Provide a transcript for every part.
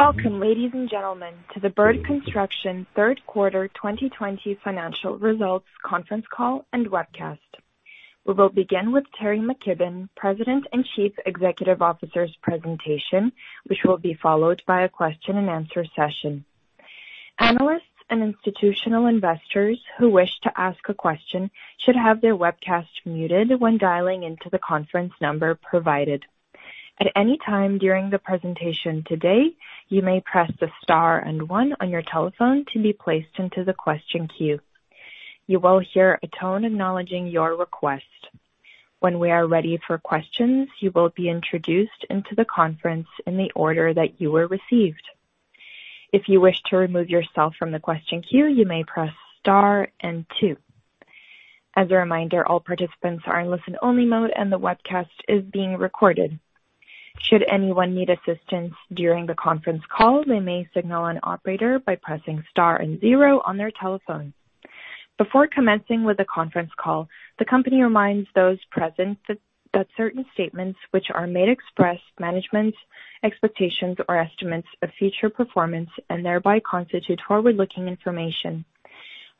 Welcome, ladies and gentlemen, to the Bird Construction third quarter 2020 financial results conference call and webcast. We will begin with Teri McKibbon, President and Chief Executive Officer's presentation, which will be followed by a question and answer session. Analysts and institutional investors who wish to ask a question should have their webcast muted when dialing into the conference number provided. At any time during the presentation today, you may press the star and one on your telephone to be placed into the question queue. You will hear a tone acknowledging your request. When we are ready for questions, you will be introduced into the conference in the order that you were received. If you wish to remove yourself from the question queue, you may press star and two. As a reminder, all participants are in listen-only mode and the webcast is being recorded. Before commencing with the conference call, the company reminds those present that certain statements which are made express management's expectations or estimates of future performance and thereby constitute forward-looking information.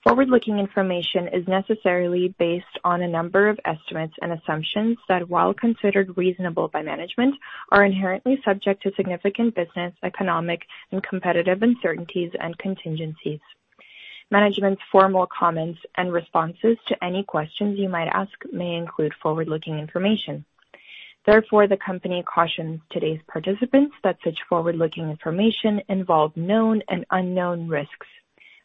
Forward-looking information is necessarily based on a number of estimates and assumptions that, while considered reasonable by management, are inherently subject to significant business, economic, and competitive uncertainties and contingencies. Management's formal comments and responses to any questions you might ask may include forward-looking information. Therefore, the company cautions today's participants that such forward-looking information involve known and unknown risks,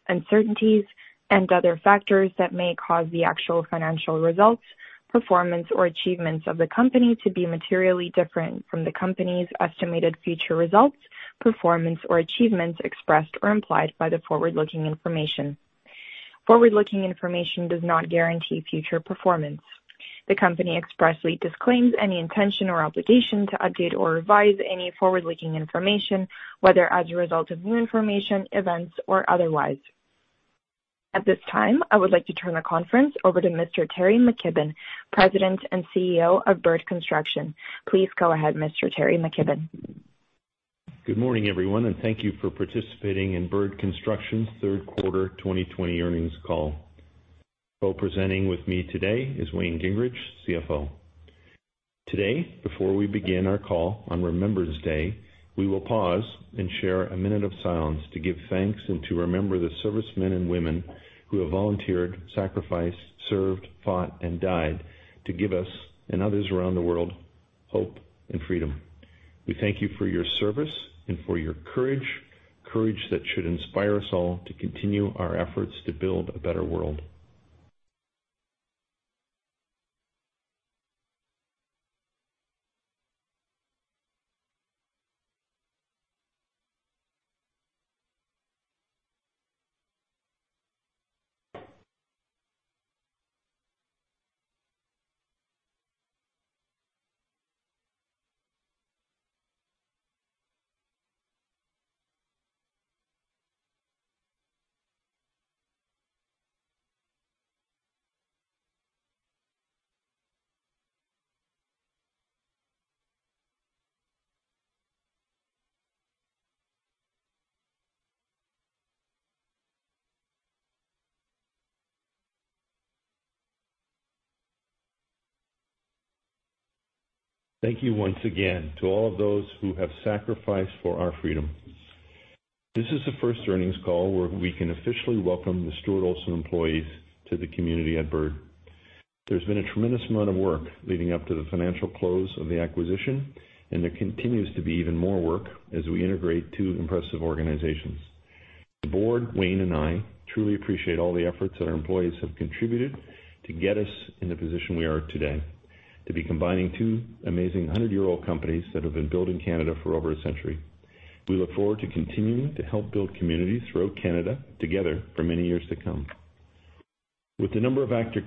uncertainties, and other factors that may cause the actual financial results, performance, or achievements of the company to be materially different from the company's estimated future results, performance, or achievements expressed or implied by the forward-looking information. Forward-looking information does not guarantee future performance. The company expressly disclaims any intention or obligation to update or revise any forward-looking information, whether as a result of new information, events, or otherwise. At this time, I would like to turn the conference over to Mr. Teri McKibbon, President and CEO of Bird Construction. Please go ahead, Mr. Teri McKibbon. Good morning, everyone. Thank you for participating in Bird Construction's third quarter 2020 earnings call. Co-presenting with me today is Wayne Gingrich, CFO. Today, before we begin our call on Remembrance Day, we will pause and share a minute of silence to give thanks and to remember the servicemen and women who have volunteered, sacrificed, served, fought, and died to give us and others around the world hope and freedom. We thank you for your service and for your courage. Courage that should inspire us all to continue our efforts to build a better world. Thank you once again to all of those who have sacrificed for our freedom. This is the first earnings call where we can officially welcome the Stuart Olson employees to the community at Bird. There's been a tremendous amount of work leading up to the financial close of the acquisition, and there continues to be even more work as we integrate two impressive organizations. The Board, Wayne, and I truly appreciate all the efforts that our employees have contributed to get us in the position we are today, to be combining two amazing 100-year-old companies that have been building Canada for over a century. We look forward to continuing to help build communities throughout Canada together for many years to come. With the number of active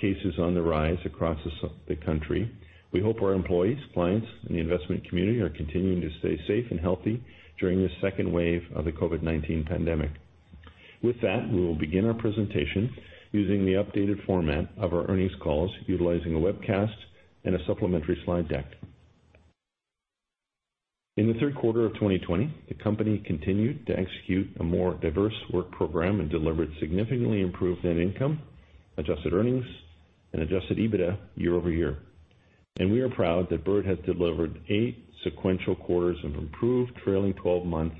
cases on the rise across the country, we hope our employees, clients, and the investment community are continuing to stay safe and healthy during this second wave of the COVID-19 pandemic. With that, we will begin our presentation using the updated format of our earnings calls, utilizing a webcast and a supplementary slide deck. In the third quarter of 2020, the company continued to execute a more diverse work program and delivered significantly improved net income, adjusted earnings, and adjusted EBITDA year-over-year. We are proud that Bird has delivered eight sequential quarters of improved trailing 12-month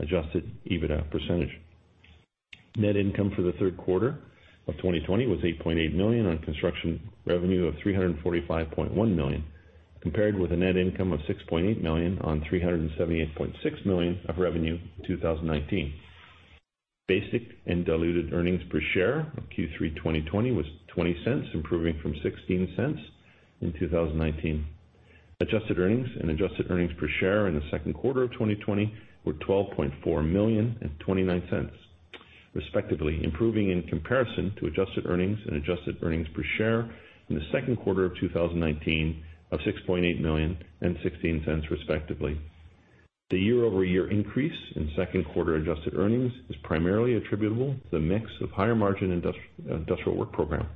adjusted EBITDA percentage. Net income for the third quarter of 2020 was 8.8 million on construction revenue of 345.1 million, compared with a net income of 6.8 million on 378.6 million of revenue in 2019. Basic and diluted earnings per share of Q3 2020 was 0.20, improving from 0.16 in 2019. Adjusted earnings and adjusted earnings per share in the second quarter of 2020 were 12.4 million and 0.29, respectively, improving in comparison to adjusted earnings and adjusted earnings per share in the second quarter of 2019 of 6.8 million and 0.16, respectively. The year-over-year increase in second quarter adjusted earnings is primarily attributable to the mix of higher margin industrial work program.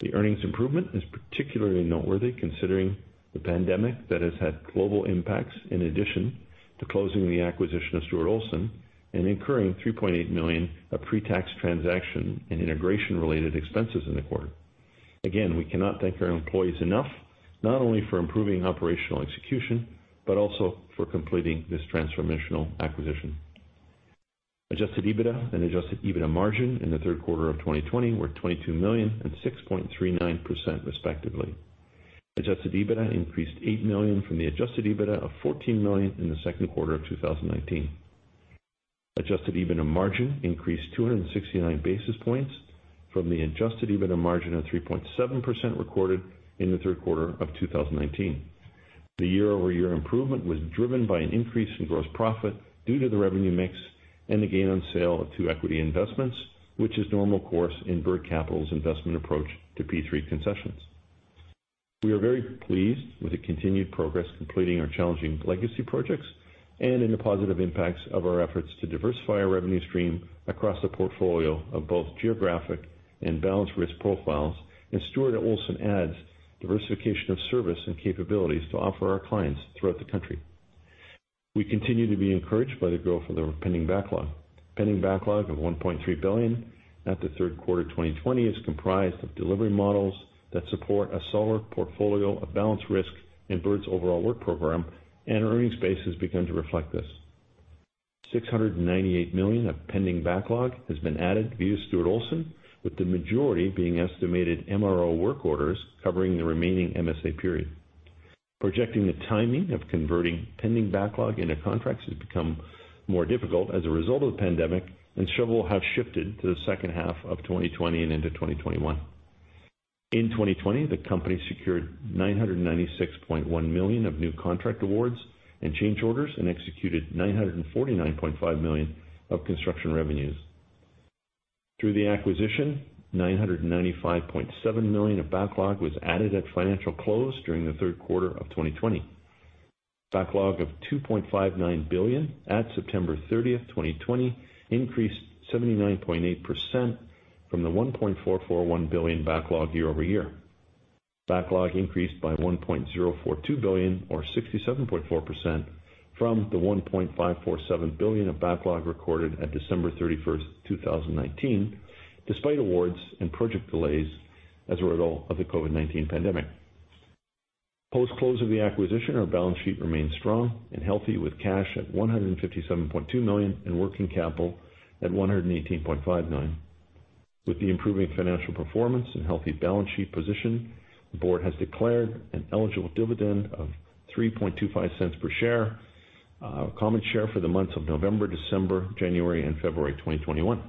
The earnings improvement is particularly noteworthy considering the pandemic that has had global impacts, in addition to closing the acquisition of Stuart Olson and incurring 3.8 million of pre-tax transaction and integration related expenses in the quarter. Again, we cannot thank our employees enough, not only for improving operational execution, but also for completing this transformational acquisition. Adjusted EBITDA and Adjusted EBITDA margin in the third quarter of 2020 were 22 million and 6.39%, respectively. Adjusted EBITDA increased 8 million from the Adjusted EBITDA of 14 million in the second quarter of 2019. Adjusted EBITDA margin increased 269 basis points from the Adjusted EBITDA margin of 3.7% recorded in the third quarter of 2019. The year-over-year improvement was driven by an increase in gross profit due to the revenue mix and the gain on sale of two equity investments, which is normal course in Bird Capital's investment approach to P3 concessions. We are very pleased with the continued progress completing our challenging legacy projects and in the positive impacts of our efforts to diversify our revenue stream across the portfolio of both geographic and balanced risk profiles. Stuart Olson adds diversification of service and capabilities to offer our clients throughout the country. We continue to be encouraged by the growth of the pending backlog. Pending backlog of 1.3 billion at the third quarter 2020 is comprised of delivery models that support a solid portfolio of balanced risk in Bird's overall work program, and earnings base has begun to reflect this. 698 million of pending backlog has been added via Stuart Olson, with the majority being estimated MRO work orders covering the remaining MSA period. Projecting the timing of converting pending backlog into contracts has become more difficult as a result of the pandemic and several have shifted to the second half of 2020 and into 2021. In 2020, the company secured 996.1 million of new contract awards and change orders and executed 949.5 million of construction revenues. Through the acquisition, 995.7 million of backlog was added at financial close during the third quarter of 2020. Backlog of 2.59 billion at September 30th, 2020 increased 79.8% from the 1.441 billion backlog year-over-year. Backlog increased by 1.042 billion or 67.4% from the 1.547 billion of backlog recorded at December 31st, 2019, despite awards and project delays as a result of the COVID-19 pandemic. Post-close of the acquisition, our balance sheet remains strong and healthy with cash at 157.2 million and working capital at 118.5 million. With the improving financial performance and healthy balance sheet position, the board has declared an eligible dividend of 0.0325 per share, common share for the months of November, December, January, and February 2021.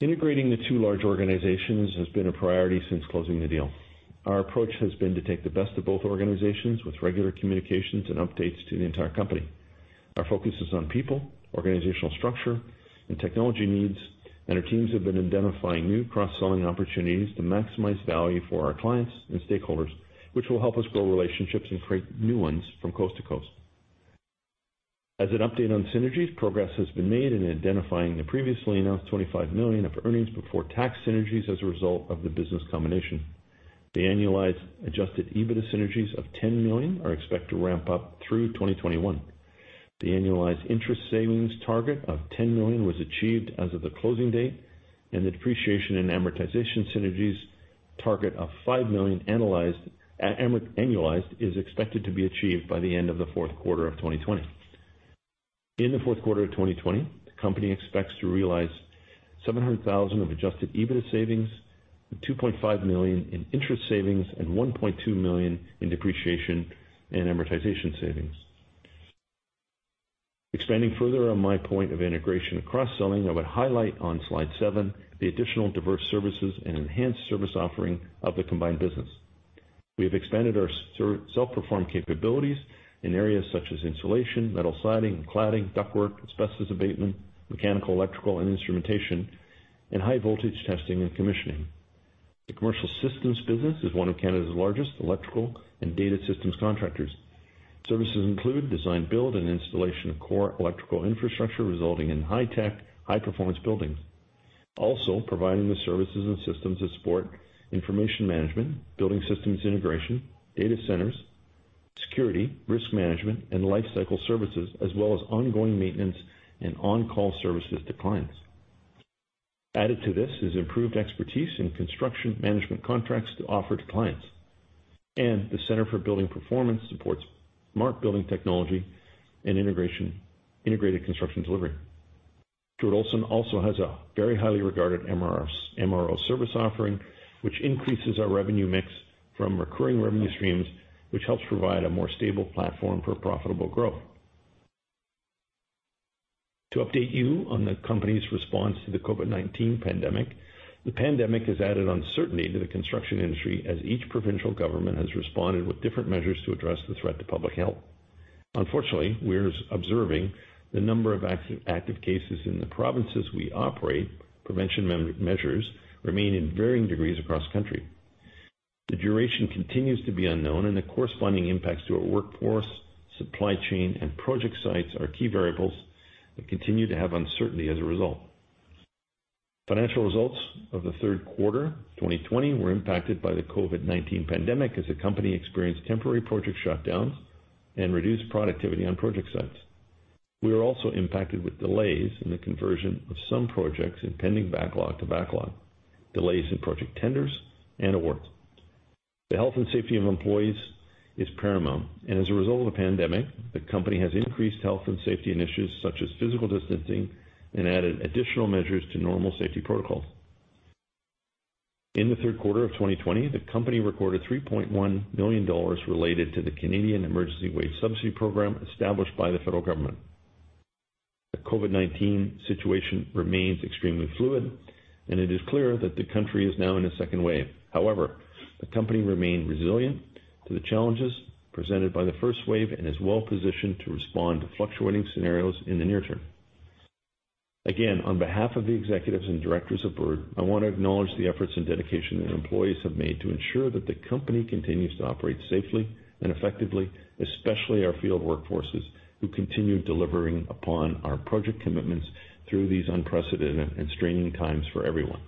Integrating the two large organizations has been a priority since closing the deal. Our approach has been to take the best of both organizations with regular communications and updates to the entire company. Our focus is on people, organizational structure, and technology needs, and our teams have been identifying new cross-selling opportunities to maximize value for our clients and stakeholders, which will help us grow relationships and create new ones from coast to coast. As an update on synergies, progress has been made in identifying the previously announced 25 million of earnings before tax synergies as a result of the business combination. The annualized adjusted EBITDA synergies of 10 million are expected to ramp up through 2021. The annualized interest savings target of 10 million was achieved as of the closing date, and the depreciation and amortization synergies target of 5 million annualized is expected to be achieved by the end of the fourth quarter of 2020. In the fourth quarter of 2020, the company expects to realize 700,000 of adjusted EBITDA savings, with 2.5 million in interest savings and 1.2 million in depreciation and amortization savings. Expanding further on my point of integration and cross-selling, I would highlight on slide seven the additional diverse services and enhanced service offering of the combined business. We have expanded our self-perform capabilities in areas such as insulation, metal siding and cladding, ductwork, asbestos abatement, mechanical, electrical, and instrumentation, and high voltage testing and commissioning. The commercial systems business is one of Canada's largest electrical and data systems contractors. Services include design build and installation of core electrical infrastructure, resulting in high tech, high performance buildings. Also providing the services and systems that support information management, building systems integration, data centers, security, risk management, and lifecycle services, as well as ongoing maintenance and on-call services to clients. Added to this is improved expertise in construction management contracts to offer to clients. The Centre for Building Performance supports smart building technology and integrated construction delivery. Stuart Olson also has a very highly regarded MRO service offering, which increases our revenue mix from recurring revenue streams, which helps provide a more stable platform for profitable growth. To update you on the company's response to the COVID-19 pandemic, the pandemic has added uncertainty to the construction industry as each provincial government has responded with different measures to address the threat to public health. Unfortunately, we're observing the number of active cases in the provinces we operate, prevention measures remain in varying degrees across the country. The duration continues to be unknown, and the corresponding impacts to our workforce, supply chain, and project sites are key variables that continue to have uncertainty as a result. Financial results of the third quarter 2020 were impacted by the COVID-19 pandemic, as the company experienced temporary project shutdowns and reduced productivity on project sites. We were also impacted with delays in the conversion of some projects and pending backlog to backlog, delays in project tenders, and awards. The health and safety of employees is paramount, and as a result of the pandemic, the company has increased health and safety initiatives such as physical distancing and added additional measures to normal safety protocols. In the third quarter of 2020, the company recorded 3.1 million dollars related to the Canada Emergency Wage Subsidy Program established by the federal government. The COVID-19 situation remains extremely fluid, and it is clear that the country is now in a second wave. However, the company remained resilient to the challenges presented by the first wave and is well positioned to respond to fluctuating scenarios in the near term. Again, on behalf of the Executives and Directors of Bird, I want to acknowledge the efforts and dedication that employees have made to ensure that the company continues to operate safely and effectively, especially our field workforces, who continue delivering upon our project commitments through these unprecedented and straining times for everyone.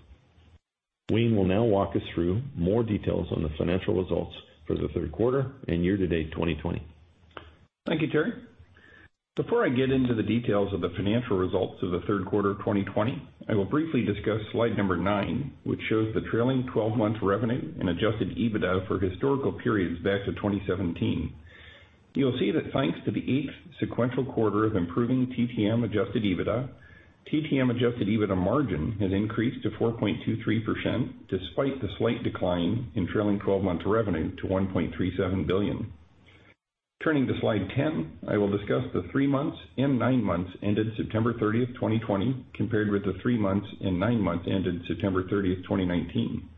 Wayne will now walk us through more details on the financial results for the third quarter and year-to-date 2020. Thank you, Teri. Before I get into the details of the financial results of the third quarter 2020, I will briefly discuss slide number nine, which shows the trailing 12 months revenue and adjusted EBITDA for historical periods back to 2017. You will see that thanks to the eighth sequential quarter of improving TTM adjusted EBITDA, TTM adjusted EBITDA margin has increased to 4.23%, despite the slight decline in trailing 12 months revenue to 1.37 billion. Turning to slide 10, I will discuss the three months and nine months ended September 30th, 2020, compared with the three months and nine months ended September 30th, 2019.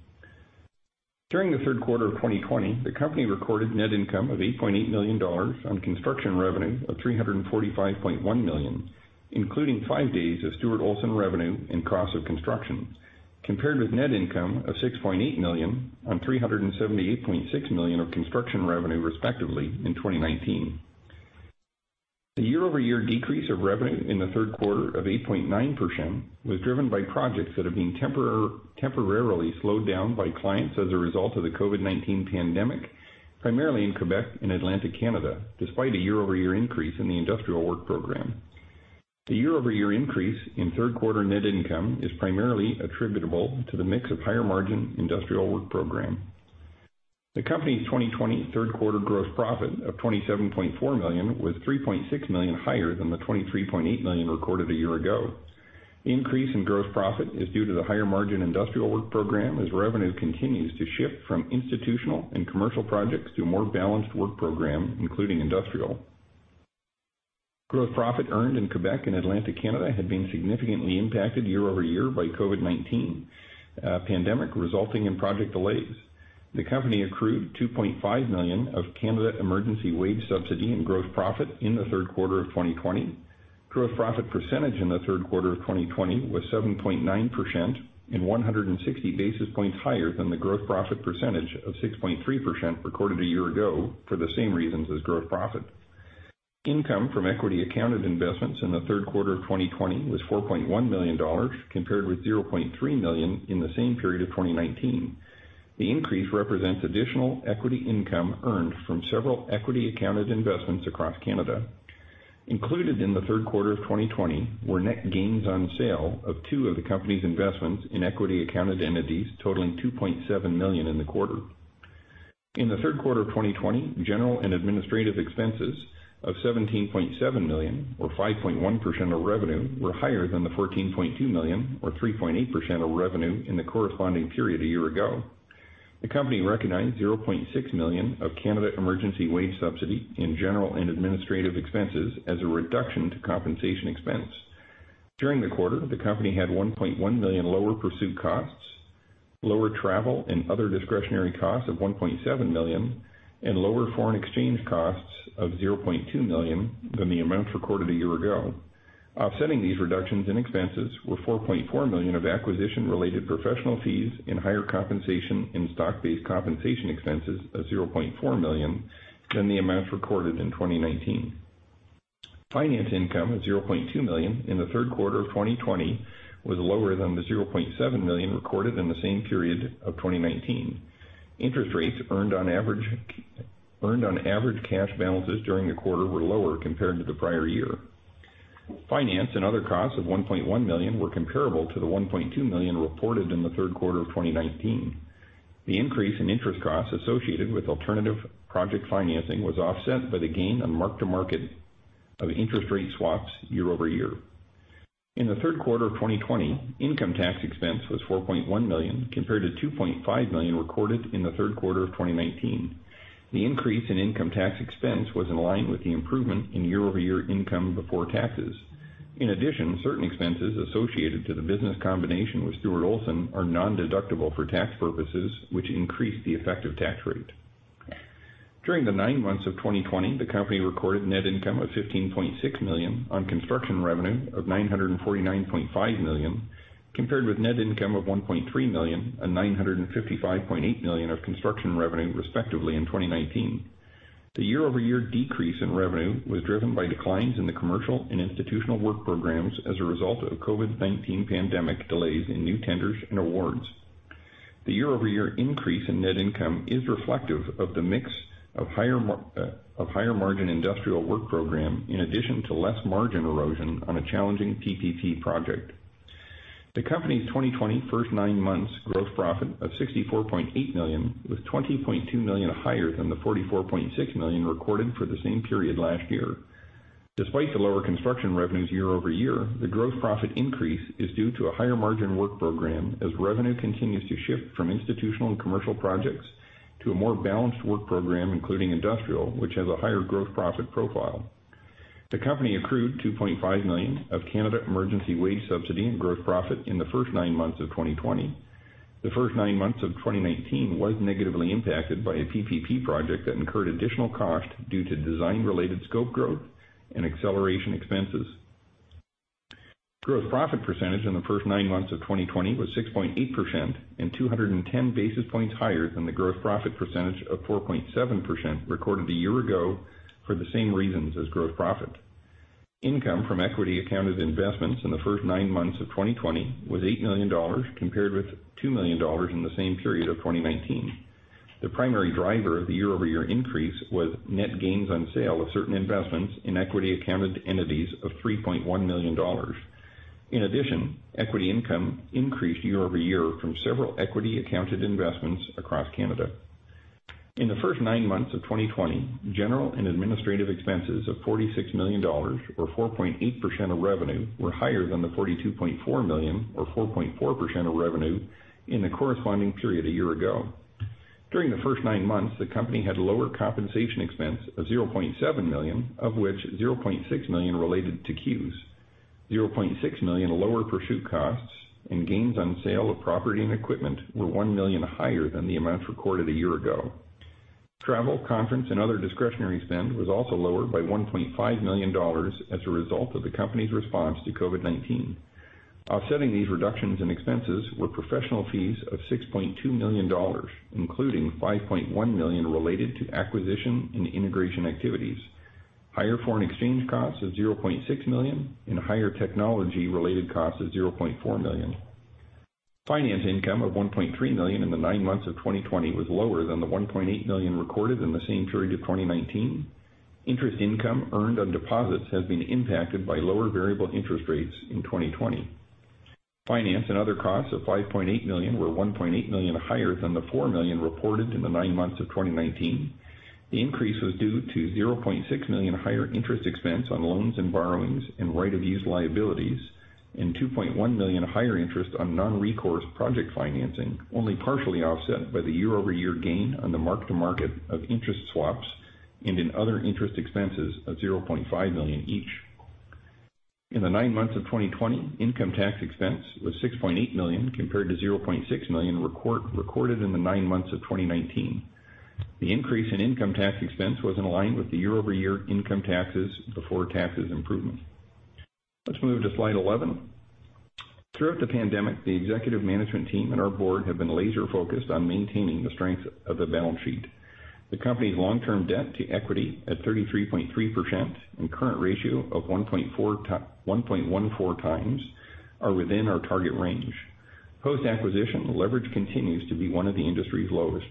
During the third quarter of 2020, the company recorded net income of 8.8 million dollars on construction revenue of 345.1 million, including five days of Stuart Olson revenue and cost of construction, compared with net income of 6.8 million on 378.6 million of construction revenue, respectively in 2019. The year-over-year decrease of revenue in the third quarter of 8.9% was driven by projects that have been temporarily slowed down by clients as a result of the COVID-19 pandemic, primarily in Quebec and Atlantic Canada, despite a year-over-year increase in the industrial work program. The year-over-year increase in third quarter net income is primarily attributable to the mix of higher margin industrial work program. The company's 2020 third quarter gross profit of 27.4 million was 3.6 million higher than the 23.8 million recorded a year ago. The increase in gross profit is due to the higher margin industrial work program, as revenue continues to shift from institutional and commercial projects to a more balanced work program, including industrial. Gross profit earned in Quebec and Atlantic Canada had been significantly impacted year-over-year by COVID-19 pandemic, resulting in project delays. The company accrued 2.5 million of Canada Emergency Wage Subsidy and gross profit in the third quarter of 2020. Gross profit percentage in the third quarter of 2020 was 7.9%, and 160 basis points higher than the gross profit percentage of 6.3% recorded a year ago for the same reasons as gross profit. Income from equity accounted investments in the third quarter of 2020 was 4.1 million dollars, compared with 0.3 million in the same period of 2019. The increase represents additional equity income earned from several equity accounted investments across Canada. Included in the third quarter of 2020 were net gains on sale of two of the company's investments in equity accounted entities totaling 2.7 million in the quarter. In the third quarter of 2020, general and administrative expenses of 17.7 million, or 5.1% of revenue, were higher than the 14.2 million, or 3.8% of revenue, in the corresponding period a year ago. The company recognized 0.6 million of Canada Emergency Wage Subsidy in general and administrative expenses as a reduction to compensation expense. During the quarter, the company had 1.1 million lower pursuit costs, lower travel and other discretionary costs of 1.7 million, and lower foreign exchange costs of 0.2 million than the amounts recorded a year ago. Offsetting these reductions in expenses were 4.4 million of acquisition-related professional fees and higher compensation and stock-based compensation expenses of 0.4 million than the amounts recorded in 2019. Finance income of 0.2 million in the third quarter of 2020 was lower than the 0.7 million recorded in the same period of 2019. Interest rates earned on average cash balances during the quarter were lower compared to the prior year. Finance and other costs of 1.1 million were comparable to the 1.2 million reported in the third quarter of 2019. The increase in interest costs associated with alternative project financing was offset by the gain on mark-to-market of interest rate swaps year-over-year. In the third quarter of 2020, income tax expense was 4.1 million, compared to 2.5 million recorded in the third quarter of 2019. The increase in income tax expense was in line with the improvement in year-over-year income before taxes. In addition, certain expenses associated to the business combination with Stuart Olson are nondeductible for tax purposes, which increased the effective tax rate. During the nine months of 2020, the company recorded net income of 15.6 million on construction revenue of 949.5 million, compared with net income of 1.3 million and 955.8 million of construction revenue, respectively, in 2019. The year-over-year decrease in revenue was driven by declines in the commercial and institutional work programs as a result of COVID-19 pandemic delays in new tenders and awards. The year-over-year increase in net income is reflective of the mix of higher margin industrial work program, in addition to less margin erosion on a challenging PPP project. The company's 2020 first nine months gross profit of 64.8 million was 20.2 million higher than the 44.6 million recorded for the same period last year. Despite the lower construction revenues year-over-year, the gross profit increase is due to a higher margin work program as revenue continues to shift from institutional and commercial projects to a more balanced work program, including industrial, which has a higher gross profit profile. The company accrued 2.5 million of Canada Emergency Wage Subsidy and gross profit in the first nine months of 2020. The first nine months of 2019 was negatively impacted by a PPP project that incurred additional cost due to design-related scope growth and acceleration expenses. Gross profit percentage in the first nine months of 2020 was 6.8% and 210 basis points higher than the gross profit percentage of 4.7% recorded a year ago for the same reasons as gross profit. Income from equity accounted investments in the first nine months of 2020 was 8 million dollars, compared with 2 million dollars in the same period of 2019. The primary driver of the year-over-year increase was net gains on sale of certain investments in equity accounted entities of 3.1 million dollars. In addition, equity income increased year-over-year from several equity accounted investments across Canada. In the first nine months of 2020, general and administrative expenses of 46 million dollars, or 4.8% of revenue, were higher than the 42.4 million or 4.4% of revenue in the corresponding period a year ago. During the first nine months, the company had lower compensation expense of 0.7 million, of which 0.6 million related to CEWS, 0.6 million lower pursuit costs, and gains on sale of property and equipment were 1 million higher than the amounts recorded a year ago. Travel, conference, and other discretionary spend was also lower by 1.5 million dollars as a result of the company's response to COVID-19. Offsetting these reductions in expenses were professional fees of 6.2 million dollars, including 5.1 million related to acquisition and integration activities, higher foreign exchange costs of 0.6 million, and higher technology-related costs of 0.4 million. Finance income of 1.3 million in the nine months of 2020 was lower than the 1.8 million recorded in the same period of 2019. Interest income earned on deposits has been impacted by lower variable interest rates in 2020. Finance and other costs of 5.8 million were 1.8 million higher than the 4 million reported in the nine months of 2019. The increase was due to 0.6 million higher interest expense on loans and borrowings and right of use liabilities, and 2.1 million higher interest on non-recourse project financing, only partially offset by the year-over-year gain on the mark-to-market of interest swaps and in other interest expenses of 0.5 million each. In the nine months of 2020, income tax expense was 6.8 million, compared to 0.6 million recorded in the nine months of 2019. The increase in income tax expense was in line with the year-over-year income before taxes improvement. Let's move to slide 11. Throughout the pandemic, the executive management team and our board have been laser focused on maintaining the strength of the balance sheet. The company's long-term debt to equity at 33.3% and current ratio of 1.14 times are within our target range. Post-acquisition, leverage continues to be one of the industry's lowest.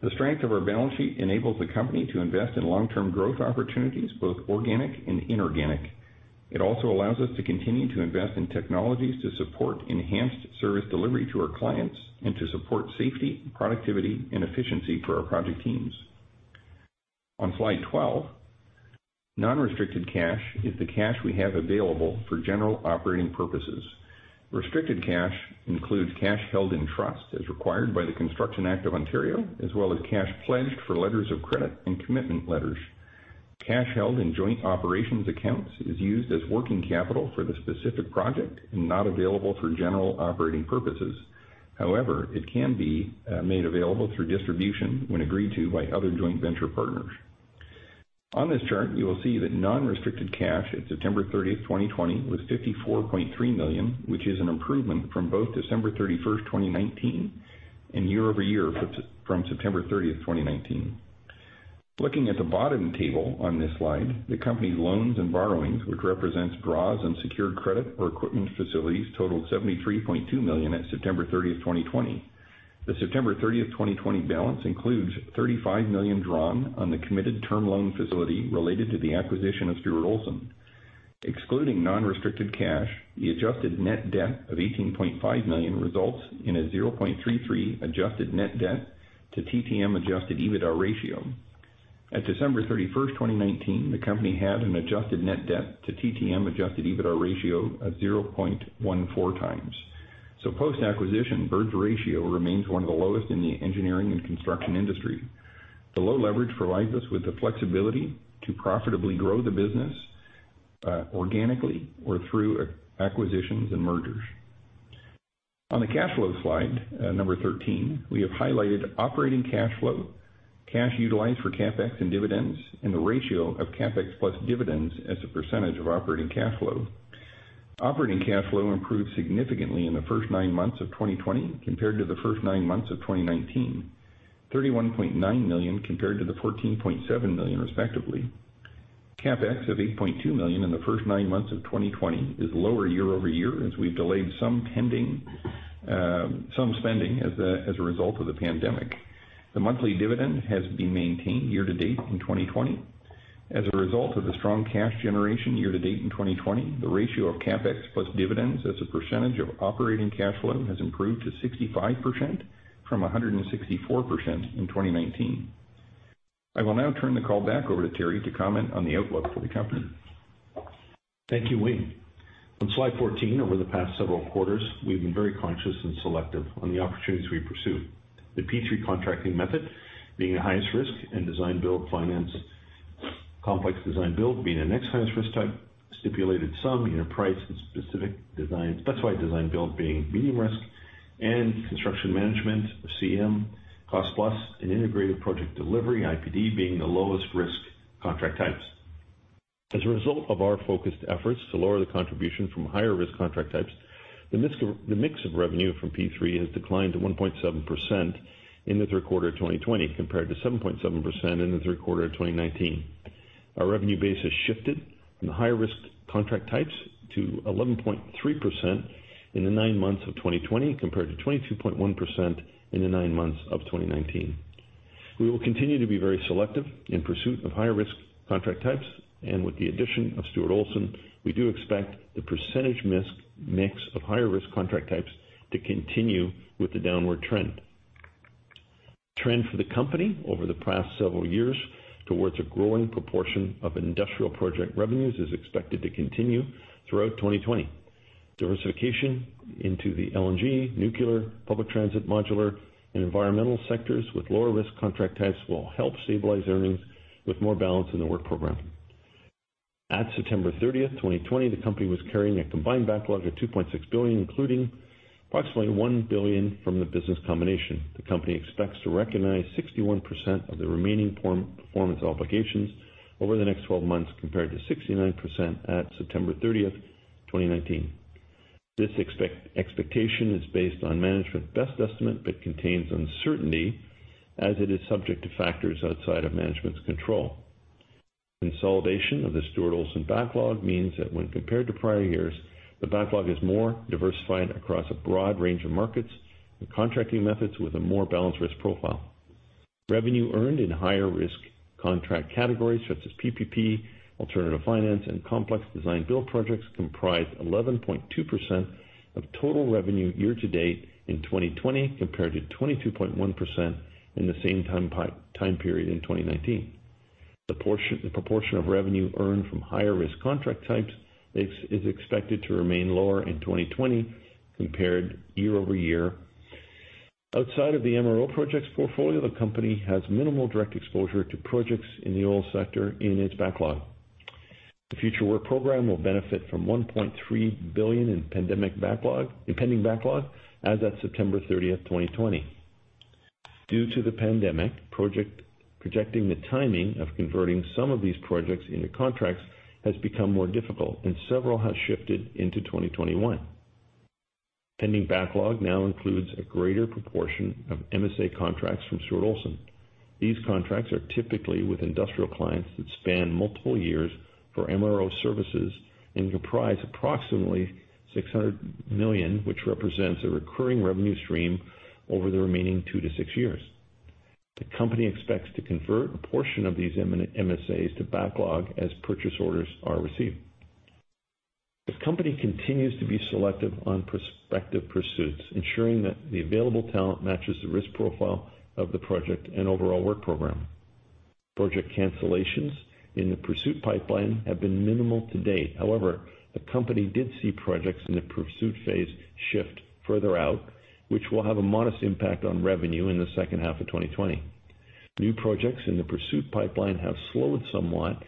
The strength of our balance sheet enables the company to invest in long-term growth opportunities, both organic and inorganic. It also allows us to continue to invest in technologies to support enhanced service delivery to our clients and to support safety, productivity, and efficiency for our project teams. On slide 12, non-restricted cash is the cash we have available for general operating purposes. Restricted cash includes cash held in trust as required by the Construction Act of Ontario, as well as cash pledged for letters of credit and commitment letters. Cash held in joint operations accounts is used as working capital for the specific project and not available for general operating purposes. However, it can be made available through distribution when agreed to by other joint venture partners. On this chart, you will see that non-restricted cash at September 30, 2020, was 54.3 million, which is an improvement from both December 31, 2019, and year-over-year from September 30, 2019. Looking at the bottom table on this slide, the company's loans and borrowings, which represents draws on secured credit or equipment facilities, totaled 73.2 million at September 30, 2020. The September 30th, 2020, balance includes 35 million drawn on the committed term loan facility related to the acquisition of Stuart Olson. Excluding non-restricted cash, the adjusted net debt of 18.5 million results in a 0.33 adjusted net debt to TTM adjusted EBITDA ratio. At December 31st, 2019, the company had an adjusted net debt to TTM adjusted EBITDA ratio of 0.14x. Post-acquisition, Bird's ratio remains one of the lowest in the engineering and construction industry. The low leverage provides us with the flexibility to profitably grow the business organically or through acquisitions and mergers. On the cash flow slide, number 13, we have highlighted operating cash flow, cash utilized for CapEx and dividends, and the ratio of CapEx plus dividends as a percentage of operating cash flow. Operating cash flow improved significantly in the first nine months of 2020 compared to the first nine months of 2019. 31.9 million compared to the 14.7 million respectively. CapEx of 8.2 million in the first nine months of 2020 is lower year-over-year as we've delayed some spending as a result of the pandemic. The monthly dividend has been maintained year to date in 2020. As a result of the strong cash generation year to date in 2020, the ratio of CapEx plus dividends as a percentage of operating cash flow has improved to 65% from 164% in 2019. I will now turn the call back over to Teri to comment on the outlook for the company. Thank you, Wayne. On slide 14, over the past several quarters, we've been very conscious and selective on the opportunities we pursue. The P3 contracting method being the highest risk in design-build finance. Complex design-build being the next highest risk type, stipulated sum, unit price, and specified design build being medium risk, and construction management, CM, cost plus, and integrated project delivery, IPD, being the lowest risk contract types. As a result of our focused efforts to lower the contribution from higher risk contract types, the mix of revenue from P3 has declined to 1.7% in the third quarter of 2020 compared to 7.7% in the third quarter of 2019. Our revenue base has shifted from the higher risk contract types to 11.3% in the nine months of 2020 compared to 22.1% in the nine months of 2019. We will continue to be very selective in pursuit of higher risk contract types. With the addition of Stuart Olson, we do expect the percentage mix of higher risk contract types to continue with the downward trend. Trend for the company over the past several years towards a growing proportion of industrial project revenues is expected to continue throughout 2020. Diversification into the LNG, nuclear, public transit modular, and environmental sectors with lower risk contract types will help stabilize earnings with more balance in the work program. At September 30th, 2020, the company was carrying a combined backlog of 2.6 billion, including approximately 1 billion from the business combination. The company expects to recognize 61% of the remaining performance obligations over the next 12 months compared to 69% at September 30th, 2019. This expectation is based on management's best estimate but contains uncertainty as it is subject to factors outside of management's control. Consolidation of the Stuart Olson backlog means that when compared to prior years, the backlog is more diversified across a broad range of markets and contracting methods with a more balanced risk profile. Revenue earned in higher risk contract categories such as PPP, alternative finance, and complex design build projects comprised 11.2% of total revenue year to date in 2020 compared to 22.1% in the same time period in 2019. The proportion of revenue earned from higher risk contract types is expected to remain lower in 2020 compared year-over-year. Outside of the MRO projects portfolio, the company has minimal direct exposure to projects in the oil sector in its backlog. The future work program will benefit from 1.3 billion in pending backlog as of September 30th, 2020. Due to the pandemic, projecting the timing of converting some of these projects into contracts has become more difficult, and several have shifted into 2021. Pending backlog now includes a greater proportion of MSA contracts from Stuart Olson. These contracts are typically with industrial clients that span multiple years for MRO services and comprise approximately 600 million, which represents a recurring revenue stream over the remaining two to six years. The company expects to convert a portion of these MSAs to backlog as purchase orders are received. The company continues to be selective on prospective pursuits, ensuring that the available talent matches the risk profile of the project and overall work program. Project cancellations in the pursuit pipeline have been minimal to date. However, the company did see projects in the pursuit phase shift further out, which will have a modest impact on revenue in the second half of 2020. New projects in the pursuit pipeline have slowed somewhat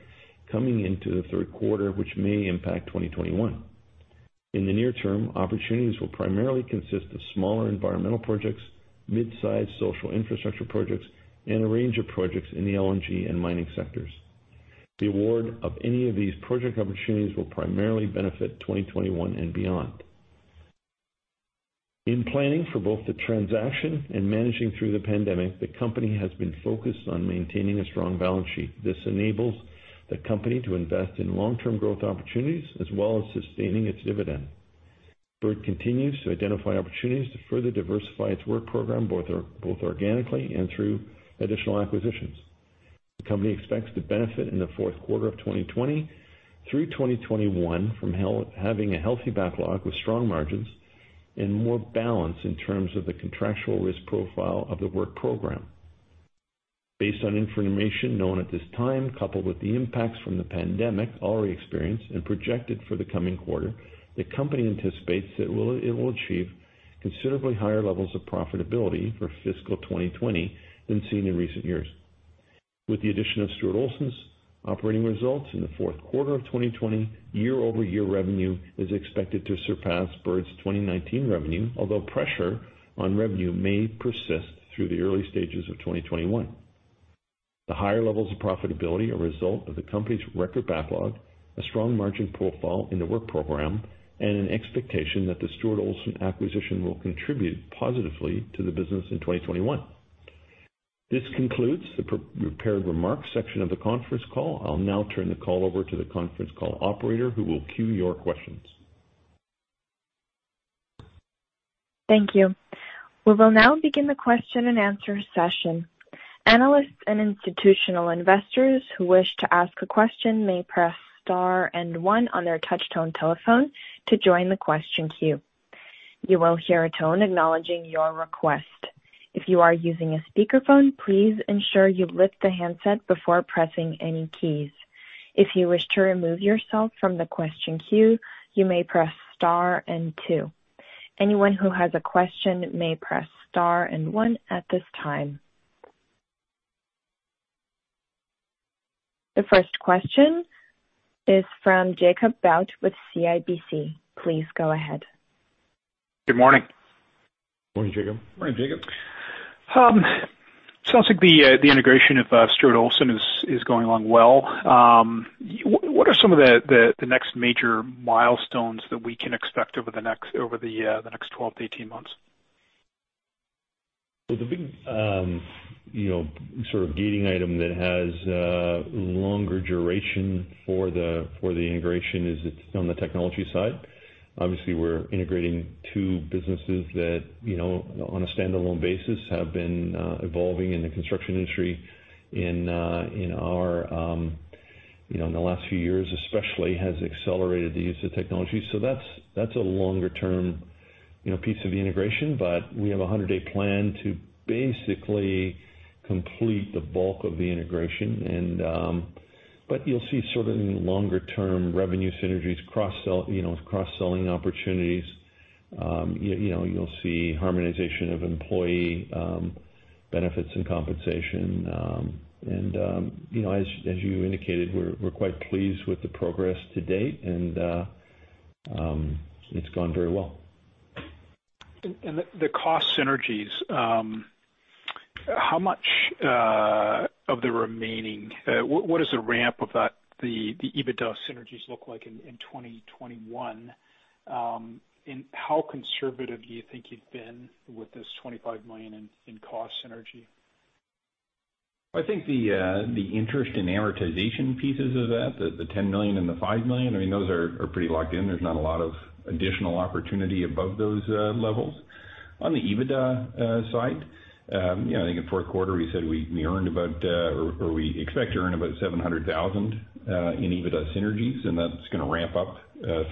coming into the third quarter, which may impact 2021. In the near term, opportunities will primarily consist of smaller environmental projects, mid-size social infrastructure projects, and a range of projects in the LNG and mining sectors. The award of any of these project opportunities will primarily benefit 2021 and beyond. In planning for both the transaction and managing through the pandemic, the company has been focused on maintaining a strong balance sheet. This enables the company to invest in long-term growth opportunities as well as sustaining its dividend. Bird continues to identify opportunities to further diversify its work program both organically and through additional acquisitions. The company expects to benefit in the fourth quarter of 2020 through 2021 from having a healthy backlog with strong margins and more balance in terms of the contractual risk profile of the work program. Based on information known at this time, coupled with the impacts from the pandemic already experienced and projected for the coming quarter, the company anticipates that it will achieve considerably higher levels of profitability for fiscal 2020 than seen in recent years. With the addition of Stuart Olson's operating results in the fourth quarter of 2020, year-over-year revenue is expected to surpass Bird's 2019 revenue, although pressure on revenue may persist through the early stages of 2021. The higher levels of profitability are result of the company's record backlog, a strong margin profile in the Work Program, and an expectation that the Stuart Olson acquisition will contribute positively to the business in 2021. This concludes the prepared remarks section of the conference call. I'll now turn the call over to the conference call operator, who will queue your questions. Thank you. We will now begin the question and answer session. Analysts and institutional investors who wish to ask a question may press star and one on their touchtone telephone to join the question queue. You will hear a tone acknowledging your request. If you are using a speakerphone, please ensure you lift the handset before pressing any keys. If you wish to remove yourself from the question queue, you may press star and two. Anyone who has a question may press star and one at this time. The first question is from Jacob Bout with CIBC. Please go ahead. Good morning. Morning, Jacob. Morning, Jacob. Sounds like the integration of Stuart Olson is going along well. What are some of the next major milestones that we can expect over the next 12-18 months? The big gating item that has a longer duration for the integration is on the technology side. Obviously, we're integrating two businesses that, on a standalone basis, have been evolving in the construction industry in the last few years, especially has accelerated the use of technology. That's a longer-term piece of the integration. We have a 100-day plan to basically complete the bulk of the integration. You'll see in the longer term, revenue synergies, cross-selling opportunities. You'll see harmonization of employee benefits and compensation. As you indicated, we're quite pleased with the progress to date, and it's gone very well. The cost synergies, what does the ramp of the EBITDA synergies look like in 2021? How conservative do you think you've been with this 25 million in cost synergy? I think the interest and amortization pieces of that, the 10 million and the 5 million, those are pretty locked in. There's not a lot of additional opportunity above those levels. On the EBITDA side, I think in the fourth quarter, we said we expect to earn about 700,000 in EBITDA synergies, and that's going to ramp up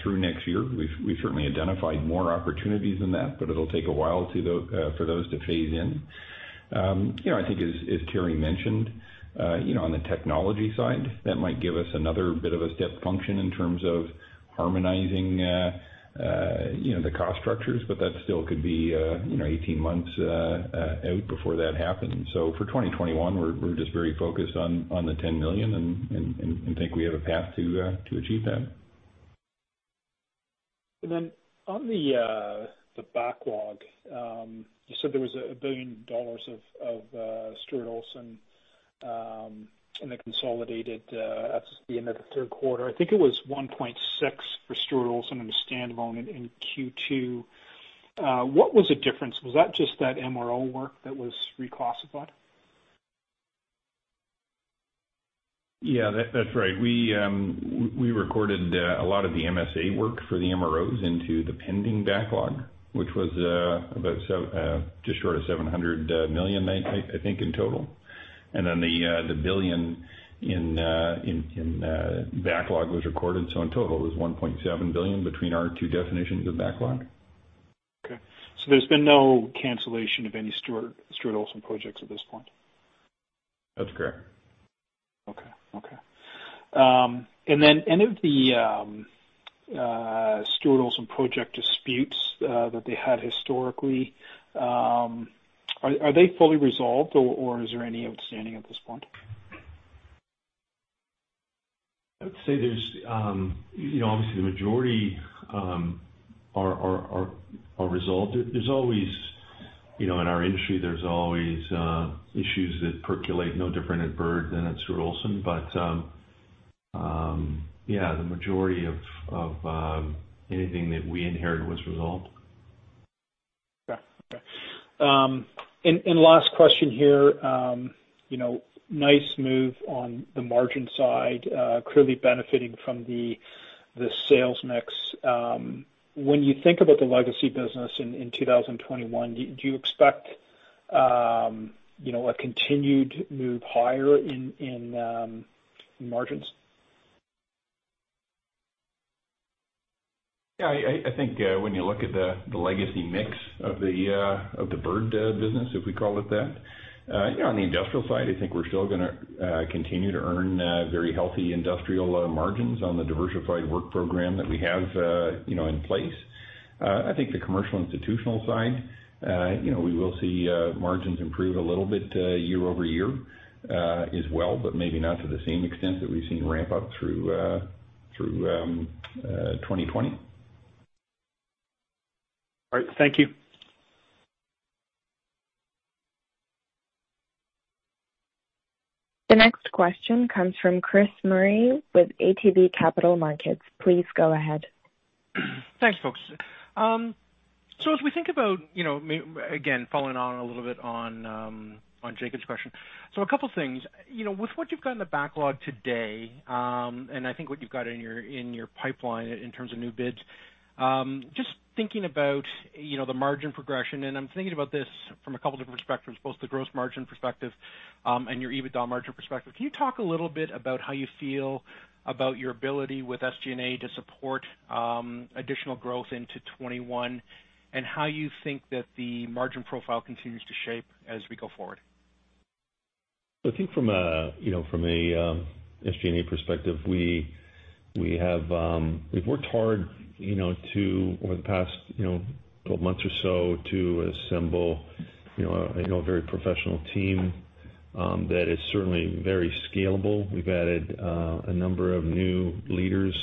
through next year. We've certainly identified more opportunities than that, but it'll take a while for those to phase in. I think as Teri mentioned, on the technology side, that might give us another bit of a step function in terms of harmonizing the cost structures. That still could be 18 months out before that happens. For 2021, we're just very focused on the 10 million and think we have a path to achieve that. On the backlog, you said there was 1 billion dollars of Stuart Olson in the consolidated at the end of the third quarter. I think it was 1.6 billion for Stuart Olson in the standalone in Q2. What was the difference? Was that just that MRO work that was reclassified? Yeah, that's right. We recorded a lot of the MSA work for the MROs into the pending backlog, which was about just short of 700 million, I think, in total. The 1 billion in backlog was recorded. In total, it was 1.7 billion between our two definitions of backlog. Okay. there's been no cancellation of any Stuart Olson projects at this point? That's correct. Okay. Then any of the Stuart Olson project disputes that they had historically, are they fully resolved, or is there any outstanding at this point? I would say, obviously, the majority are resolved. In our industry, there's always issues that percolate no different at Bird than at Stuart Olson. Yeah, the majority of anything that we inherited was resolved. Okay. Last question here. Nice move on the margin side, clearly benefiting from the sales mix. When you think about the legacy business in 2021, do you expect a continued move higher in margins? Yeah, I think when you look at the legacy mix of the Bird business, if we call it that, on the industrial side, I think we're still going to continue to earn very healthy industrial margins on the diversified work program that we have in place. I think the commercial institutional side, we will see margins improve a little bit year-over-year as well, but maybe not to the same extent that we've seen ramp up through. Through 2020. All right. Thank you. The next question comes from Chris Murray with ATB Capital Markets. Please go ahead. Thanks, folks. As we think about, again, following on a little bit on Jacob's question. A couple things. With what you've got in the backlog today, and I think what you've got in your pipeline in terms of new bids, just thinking about the margin progression, and I'm thinking about this from a couple different perspectives, both the gross margin perspective and your EBITDA margin perspective. Can you talk a little bit about how you feel about your ability with SG&A to support additional growth into 2021, and how you think that the margin profile continues to shape as we go forward? I think from a SG&A perspective, we've worked hard over the past 12 months or so to assemble a very professional team that is certainly very scalable. We've added a number of new leaders,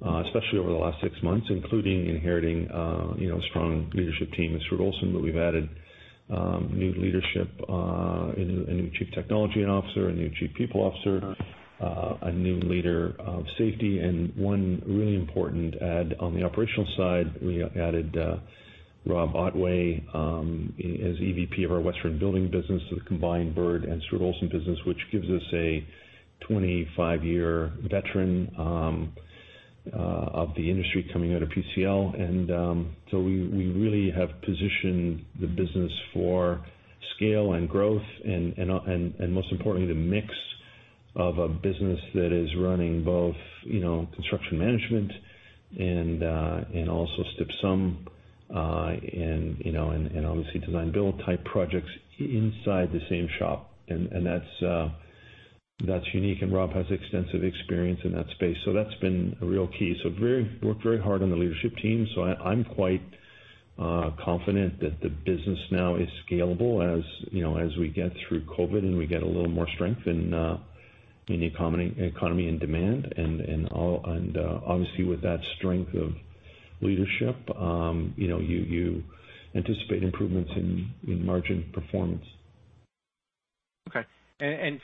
especially over the last six months, including inheriting a strong leadership team at Stuart Olson, but we've added new leadership, a new chief technology officer, a new chief people officer, a new leader of safety, and one really important add on the operational side, we added Rob Otway as EVP of our Western building business, so the combined Bird and Stuart Olson business, which gives us a 25-year veteran of the industry coming out of PCL. We really have positioned the business for scale and growth and, most importantly, the mix of a business that is running both construction management and also stipulated sum and obviously design build type projects inside the same shop. That's unique, and Rob has extensive experience in that space. That's been a real key. Worked very hard on the leadership team. I'm quite confident that the business now is scalable as we get through COVID and we get a little more strength in the economy and demand and, obviously, with that strength of leadership, you anticipate improvements in margin performance. Okay.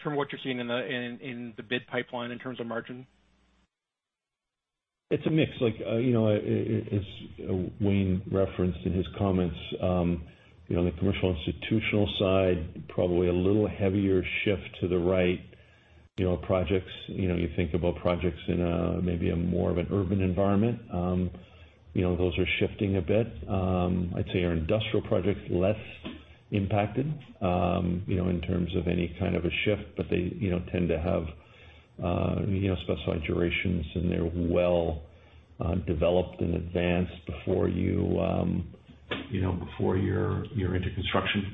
From what you're seeing in the bid pipeline in terms of margin? It's a mix. As Wayne referenced in his comments, on the commercial institutional side, probably a little heavier shift to the right. You think about projects in maybe a more of an urban environment. Those are shifting a bit. I'd say our industrial projects are less impacted in terms of any kind of a shift, but they tend to have specified durations, and they're well developed in advance before you're into construction.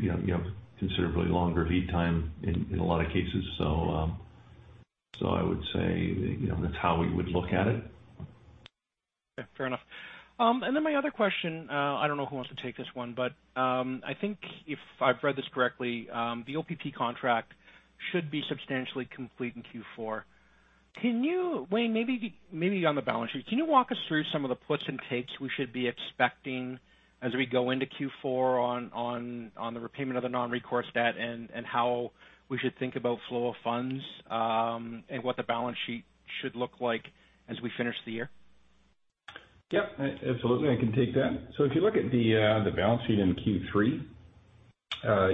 You have considerably longer lead time in a lot of cases. I would say that's how we would look at it. Okay. Fair enough. My other question, I don't know who wants to take this one, but I think if I've read this correctly, the OPP contract should be substantially complete in Q4. Wayne, maybe on the balance sheet, can you walk us through some of the puts and takes we should be expecting as we go into Q4 on the repayment of the non-recourse debt and how we should think about flow of funds and what the balance sheet should look like as we finish the year? Yep. Absolutely. I can take that. If you look at the balance sheet in Q3,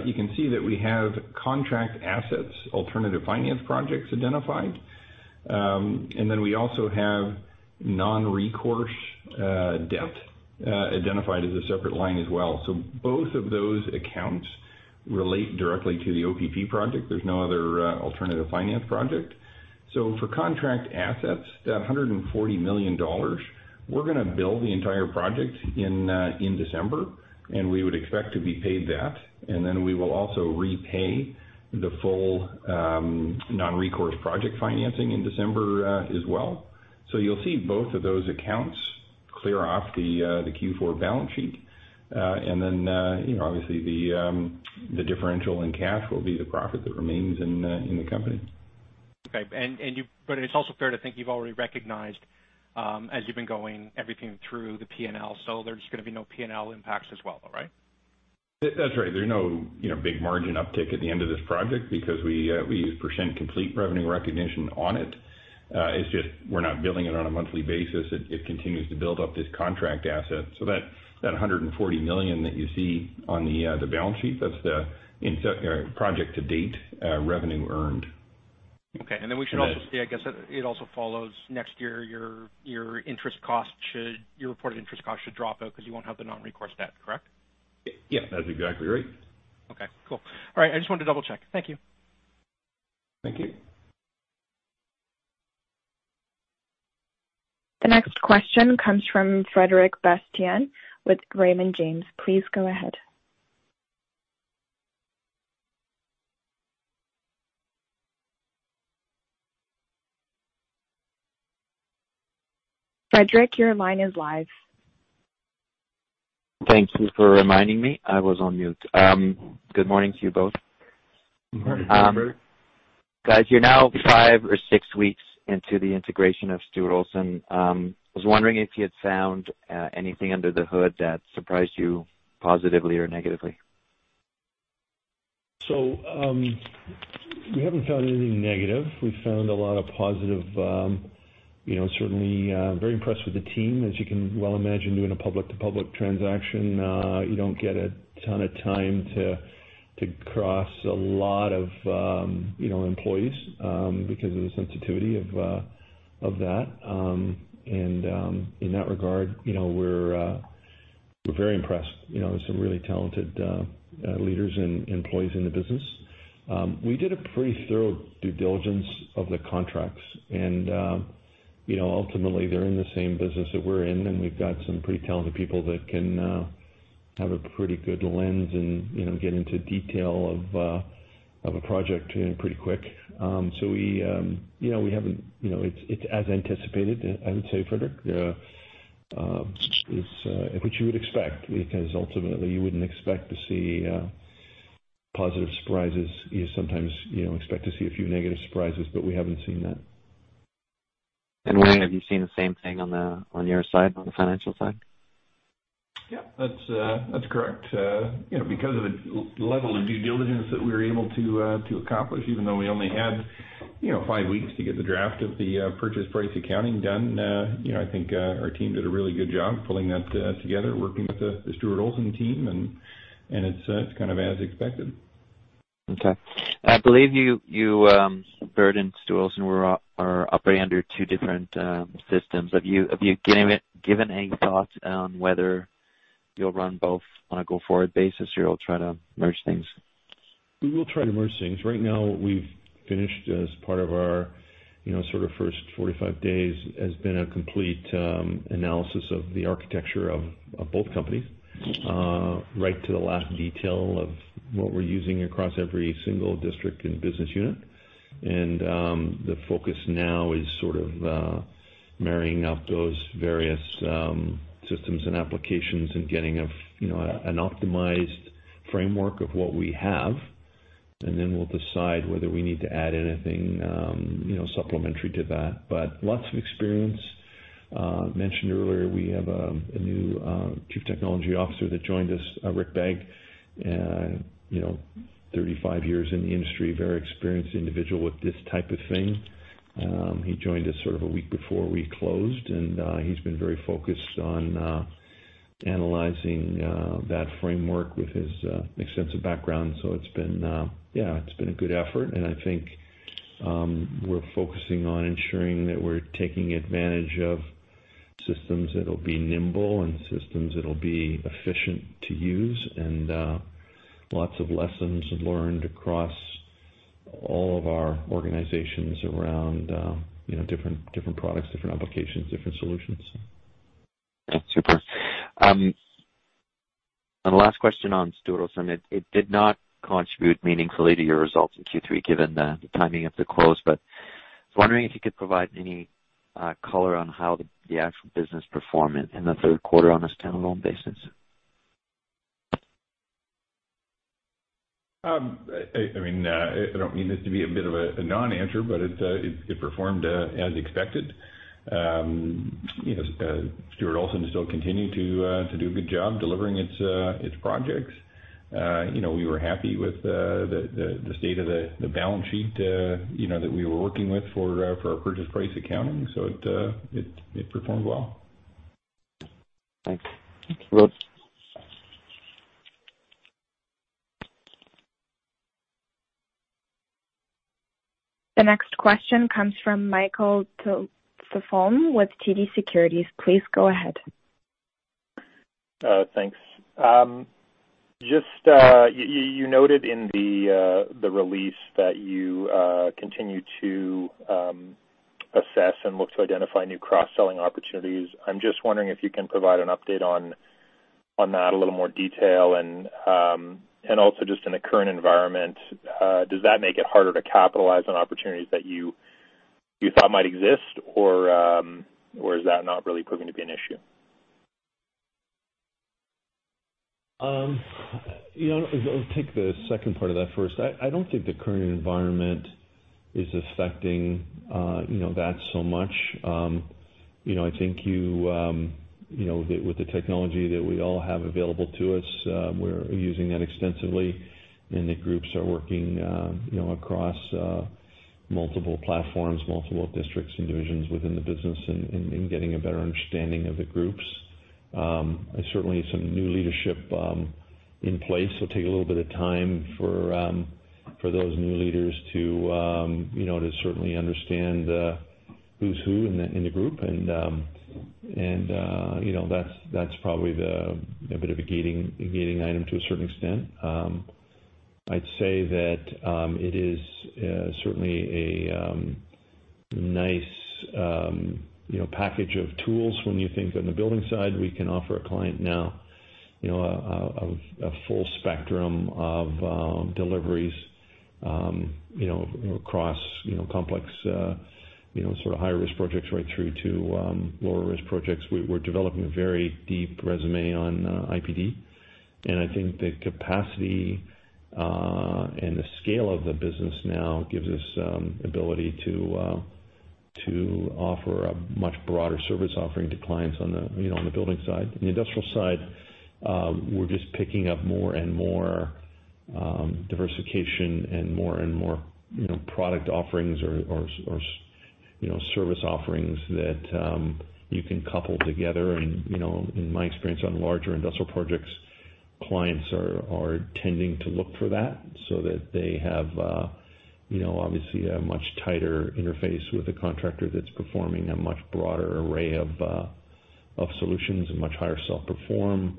you can see that we have contract assets, alternative finance projects identified, we also have non-recourse debt identified as a separate line as well. Both of those accounts relate directly to the OPP project. There's no other alternative finance project. For contract assets, that 140 million dollars, we're going to bill the entire project in December, we would expect to be paid that. We will also repay the full non-recourse project financing in December as well. You'll see both of those accounts clear off the Q4 balance sheet. Obviously the differential in cash will be the profit that remains in the company. Okay. It's also fair to think you've already recognized, as you've been going everything through the P&L, so there's just going to be no P&L impacts as well, though, right? That's right. There's no big margin uptick at the end of this project because we present complete revenue recognition on it. It's just we're not billing it on a monthly basis. It continues to build up this contract asset. That 140 million that you see on the balance sheet, that's the project to date revenue earned. Okay. We should also see, I guess it also follows next year, your reported interest cost should drop out because you won't have the non-recourse debt, correct? Yeah. That's exactly right. Okay, cool. All right. I just wanted to double-check. Thank you. Thank you. The next question comes from Frederic Bastien with Raymond James. Please go ahead. Frederic, your line is live. Thank you for reminding me. I was on mute. Good morning to you both. Good morning, Frederic. Guys, you're now five or six weeks into the integration of Stuart Olson. I was wondering if you had found anything under the hood that surprised you positively or negatively. We haven't found anything negative. We found a lot of positive. Certainly, very impressed with the team. As you can well imagine, doing a public to public transaction, you don't get a ton of time to cross a lot of employees, because of the sensitivity of that. In that regard, we're very impressed. There are some really talented leaders and employees in the business. We did a pretty thorough due diligence of the contracts and ultimately they're in the same business that we're in, and we've got some pretty talented people that can have a pretty good lens and get into detail of a project pretty quick. It's as anticipated, I would say, Frederic. It's what you would expect, because ultimately you wouldn't expect to see positive surprises. You sometimes expect to see a few negative surprises, but we haven't seen that. Wayne, have you seen the same thing on your side, on the financial side? Yeah, that's correct. Because of the level of due diligence that we were able to accomplish, even though we only had five weeks to get the draft of the purchase price accounting done, I think our team did a really good job pulling that together, working with the Stuart Olson team, and it's kind of as expected. Okay. I believe you, Bird and Stuart Olson are operating under two different systems. Have you given any thought on whether you'll run both on a go-forward basis, or you'll try to merge things? We will try to merge things. Right now, we've finished as part of our sort of first 45 days, has been a complete analysis of the architecture of both companies. Okay. Right to the last detail of what we're using across every single district and business unit. The focus now is sort of marrying up those various systems and applications and getting an optimized framework of what we have. Then we'll decide whether we need to add anything supplementary to that. Lots of experience. Mentioned earlier, we have a new Chief Technology Officer that joined us, Rick Begg, 35 years in the industry. Very experienced individual with this type of thing. He joined us sort of a week before we closed, and he's been very focused on analyzing that framework with his extensive background. It's been a good effort, and I think we're focusing on ensuring that we're taking advantage of systems that'll be nimble and systems that'll be efficient to use. Lots of lessons learned across all of our organizations around different products, different applications, different solutions. Yeah. Super. The last question on Stuart Olson. It did not contribute meaningfully to your results in Q3 given the timing of the close. I was wondering if you could provide any color on how the actual business performed in the third quarter on a standalone basis. I don't mean this to be a bit of a non-answer, it performed as expected. Stuart Olson still continued to do a good job delivering its projects. We were happy with the state of the balance sheet that we were working with for our purchase price accounting. It performed well. Thanks. The next question comes from Michael Tupholme with TD Securities. Please go ahead. Thanks. You noted in the release that you continue to assess and look to identify new cross-selling opportunities. I'm just wondering if you can provide an update on that, a little more detail and, also just in the current environment, does that make it harder to capitalize on opportunities that you thought might exist, or is that not really proving to be an issue? I'll take the second part of that first. I don't think the current environment is affecting that so much. I think with the technology that we all have available to us, we're using that extensively, and the groups are working across multiple platforms, multiple districts, and divisions within the business and getting a better understanding of the groups. Certainly some new leadership in place. It'll take a little bit of time for those new leaders to certainly understand who's who in the group, and that's probably a bit of a gating item to a certain extent. I'd say that it is certainly a nice package of tools when you think on the building side, we can offer a client now a full spectrum of deliveries across complex, sort of higher-risk projects right through to lower-risk projects. We're developing a very deep resume on IPD. I think the capacity and the scale of the business now gives us ability to offer a much broader service offering to clients on the building side. On the industrial side, we're just picking up more and more diversification and more and more product offerings or service offerings that you can couple together. In my experience on larger industrial projects, clients are tending to look for that so that they have, obviously, a much tighter interface with the contractor that's performing a much broader array of solutions and much higher self-perform,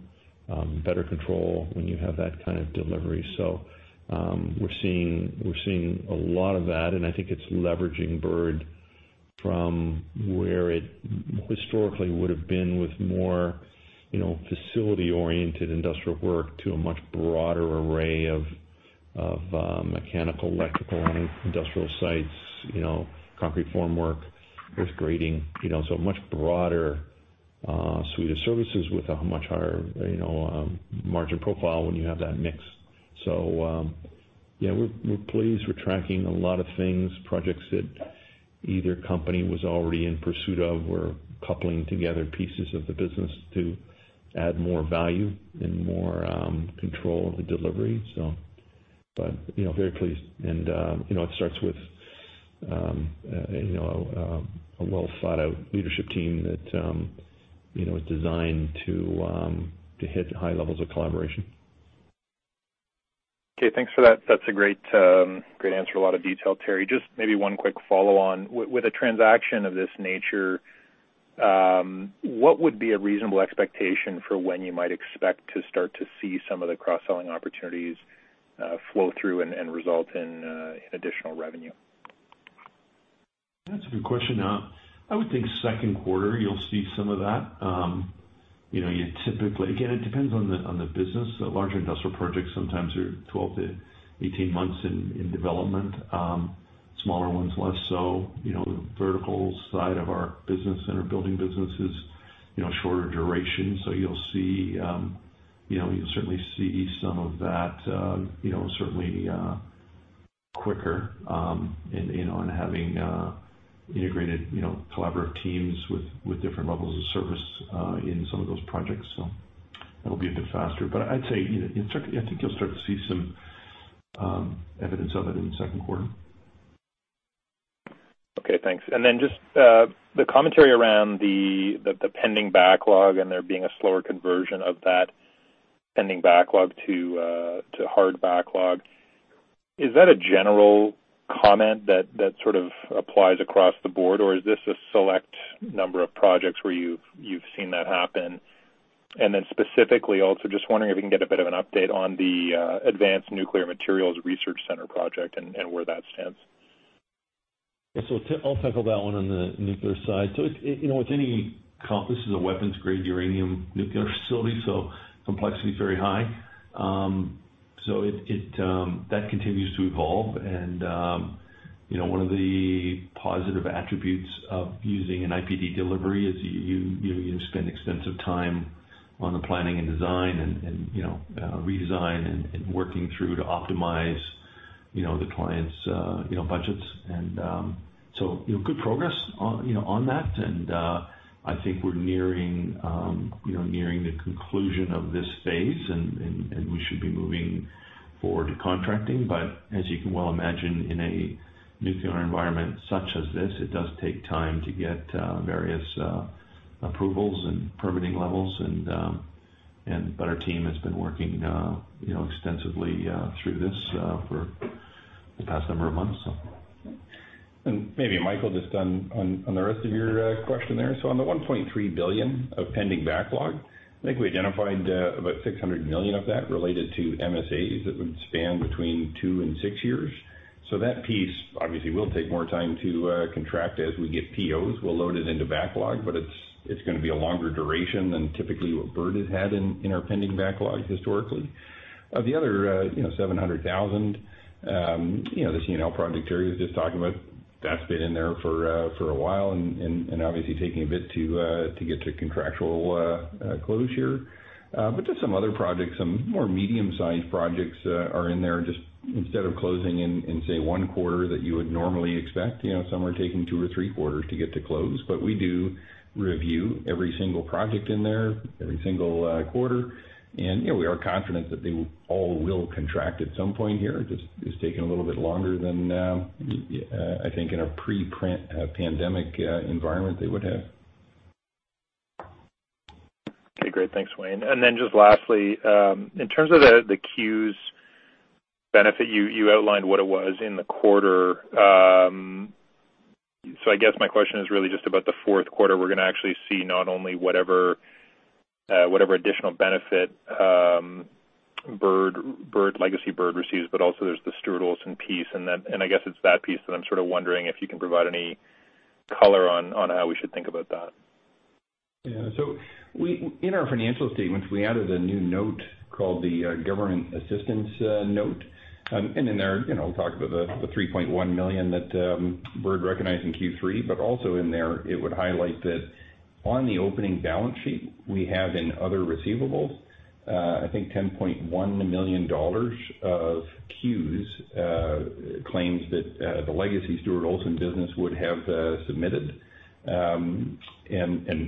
better control when you have that kind of delivery. We're seeing a lot of that, and I think it's leveraging Bird from where it historically would've been with more facility-oriented industrial work to a much broader array of mechanical, electrical on industrial sites, concrete formwork, earth grading. A much broader suite of services with a much higher margin profile when you have that mix. Yeah, we're pleased. We're tracking a lot of things, projects that either company was already in pursuit of. We're coupling together pieces of the business to add more value and more control of the delivery. But very pleased. And it starts with a well-thought-out leadership team that is designed to hit high levels of collaboration. Thanks for that. That's a great answer. A lot of detail, Teri. Just maybe one quick follow-on. With a transaction of this nature, what would be a reasonable expectation for when you might expect to start to see some of the cross-selling opportunities flow through and result in additional revenue? That's a good question. I would think second quarter you'll see some of that. It depends on the business. Larger industrial projects sometimes are 12 to 18 months in development, smaller ones less so. The verticals side of our business and our building business is shorter duration, you'll certainly see some of that certainly quicker on having integrated collaborative teams with different levels of service in some of those projects. That'll be a bit faster. I'd say, I think you'll start to see some evidence of it in the second quarter. Okay, thanks. Just the commentary around the pending backlog and there being a slower conversion of that pending backlog to hard backlog. Is that a general comment that sort of applies across the board, or is this a select number of projects where you've seen that happen? Specifically also, just wondering if we can get a bit of an update on the Advanced Nuclear Materials Research Centre project and where that stands. Yeah. I'll tackle that one on the nuclear side. This is a weapons-grade uranium nuclear facility, so complexity is very high. That continues to evolve and one of the positive attributes of using an IPD delivery is you spend extensive time on the planning and design and redesign and working through to optimize the client's budgets. Good progress on that. I think we're nearing the conclusion of this phase and we should be moving forward to contracting. As you can well imagine, in a nuclear environment such as this, it does take time to get various approvals and permitting levels, but our team has been working extensively through this for the past number of months so. Maybe, Michael, just on the rest of your question there. On the 1.3 billion of pending backlog, I think we identified about 600 million of that related to MSAs that would span between two and six years. That piece obviously will take more time to contract as we get POs. We'll load it into backlog, but it's going to be a longer duration than typically what Bird has had in our pending backlog historically. Of the other 700,000, this project Teri was just talking about, that's been in there for a while and obviously taking a bit to get to contractual closure. Just some other projects, some more medium-sized projects are in there. Just instead of closing in, say, one quarter that you would normally expect, some are taking two or three quarters to get to close. We do review every single project in there every single quarter. We are confident that they all will contract at some point here. Just it's taking a little bit longer than I think in a pre-pandemic environment they would have. Okay, great. Thanks, Wayne. Just lastly, in terms of the CEWS benefit, you outlined what it was in the quarter. I guess my question is really just about the fourth quarter. We're going to actually see not only whatever additional benefit legacy Bird receives, but also there's the Stuart Olson piece and I guess it's that piece that I'm sort of wondering if you can provide any color on how we should think about that. Yeah. In our financial statements, we added a new note called the government assistance note. In there, we talk about the 3.1 million that Bird recognized in Q3, but also in there, it would highlight that on the opening balance sheet, we have in other receivables, I think 10.1 million dollars of CEWS claims that the legacy Stuart Olson business would have submitted. That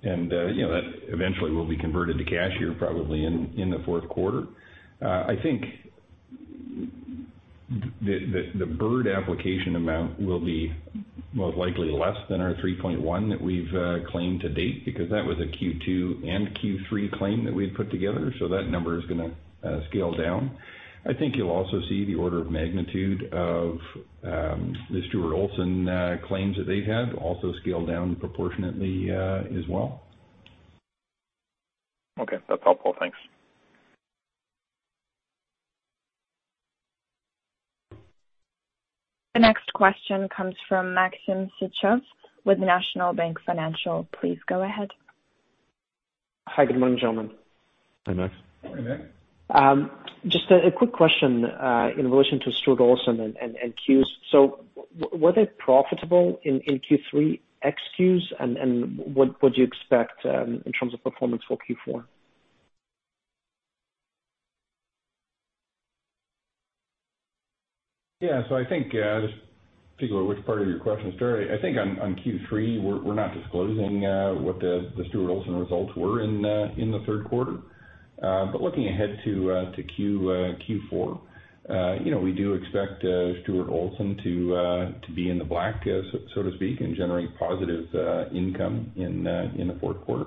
eventually will be converted to cash here, probably in the fourth quarter. I think the Bird application amount will be most likely less than our 3.1 million that we've claimed to date, because that was a Q2 and Q3 claim that we had put together. That number is going to scale down. I think you'll also see the order of magnitude of the Stuart Olson claims that they had also scale down proportionately as well. Okay, that's helpful. Thanks. The next question comes from Maxim Sytchev with National Bank Financial. Please go ahead. Hi. Good morning, gentlemen. Hi, Max. Morning, Max. Just a quick question, in relation to Stuart Olson and core. Were they profitable in Q3 ex-CEWS, and what do you expect in terms of performance for Q4? I think, just figuring out which part of your question to start. I think on Q3, we're not disclosing what the Stuart Olson results were in the third quarter. Looking ahead to Q4, we do expect Stuart Olson to be in the black, so to speak, and generate positive income in the fourth quarter.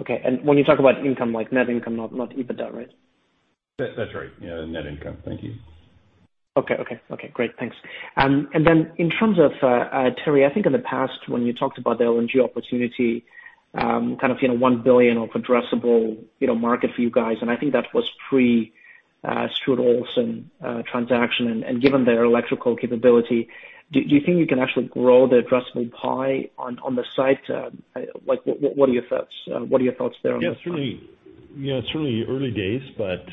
Okay. When you talk about income, like net income, not EBITDA, right? That's right. Yeah. Net income. Thank you. Okay. Great. Thanks. In terms of, Teri, I think in the past, when you talked about the LNG opportunity, 1 billion of addressable market for you guys, and I think that was pre-Stuart Olson transaction and given their electrical capability, do you think you can actually grow the addressable pie on the site? What are your thoughts there on this one? Yeah. It's really early days, but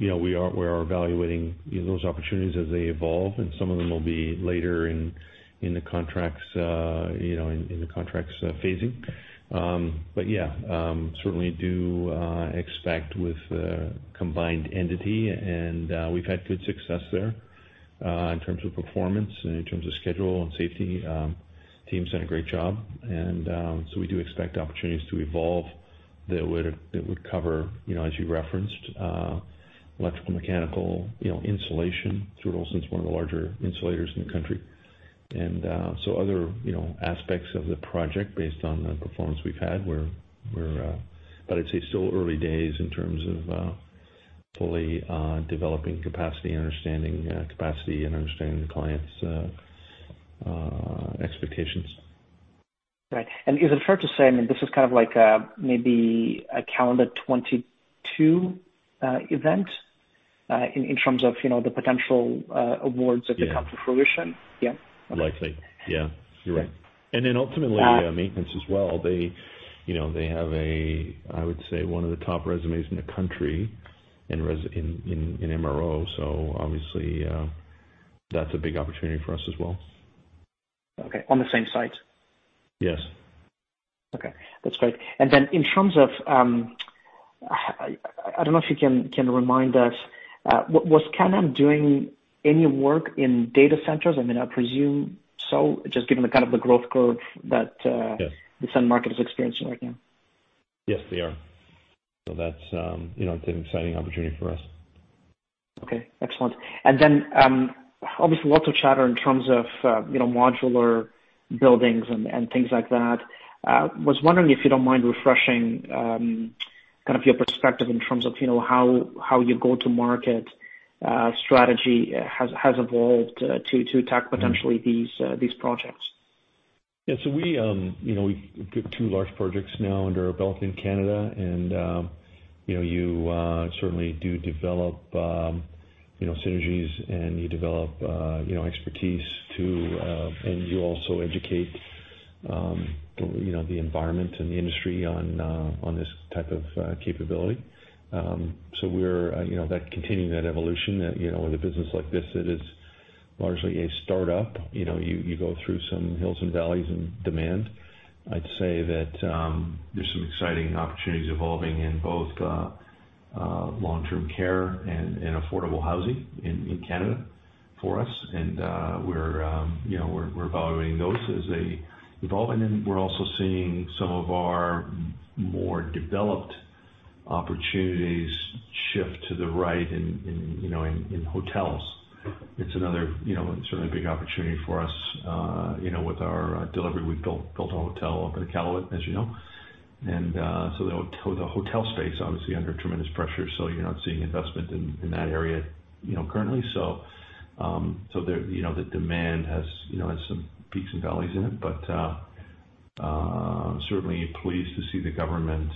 we are evaluating those opportunities as they evolve, and some of them will be later in the contracts phasing. Certainly do expect with combined entity, and we've had good success there in terms of performance and in terms of schedule and safety. Team's done a great job, and so we do expect opportunities to evolve that would cover, as you referenced, electrical, mechanical insulation. Stuart Olson is one of the larger insulators in the country. Other aspects of the project based on the performance we've had, but I'd say still early days in terms of fully developing capacity and understanding capacity and understanding the client's expectations. Right. Is it fair to say, I mean, this is kind of maybe a calendar 2022 event in terms of the potential awards that could come to fruition? Yeah. Likely. Yeah. You're right. Ultimately, maintenance as well. They have, I would say, one of the top resumes in the country in MRO. Obviously, that's a big opportunity for us as well. Okay. On the same site? Yes. Okay. That's great. In terms of, I don't know if you can remind us, was Canem doing any work in data centers? I mean, I presume so. Yes this end market is experiencing right now. Yes, they are. That's an exciting opportunity for us. Okay, excellent. Obviously, lots of chatter in terms of modular buildings and things like that. Was wondering if you don't mind refreshing your perspective in terms of how your go-to-market strategy has evolved to attack potentially these projects? We've got two large projects now under development in Canada, and you certainly do develop synergies, and you develop expertise too, and you also educate the environment and the industry on this type of capability. We're continuing that evolution. In a business like this that is largely a startup, you go through some hills and valleys in demand. I'd say that there's some exciting opportunities evolving in both long-term care and affordable housing in Canada for us. We're evaluating those as they evolve. We're also seeing some of our more developed opportunities shift to the right in hotels. It's another certainly big opportunity for us with our delivery. We've built a hotel up at Iqaluit, as you know. The hotel space, obviously under tremendous pressure, so you're not seeing investment in that area currently. The demand has some peaks and valleys in it, but I'm certainly pleased to see the government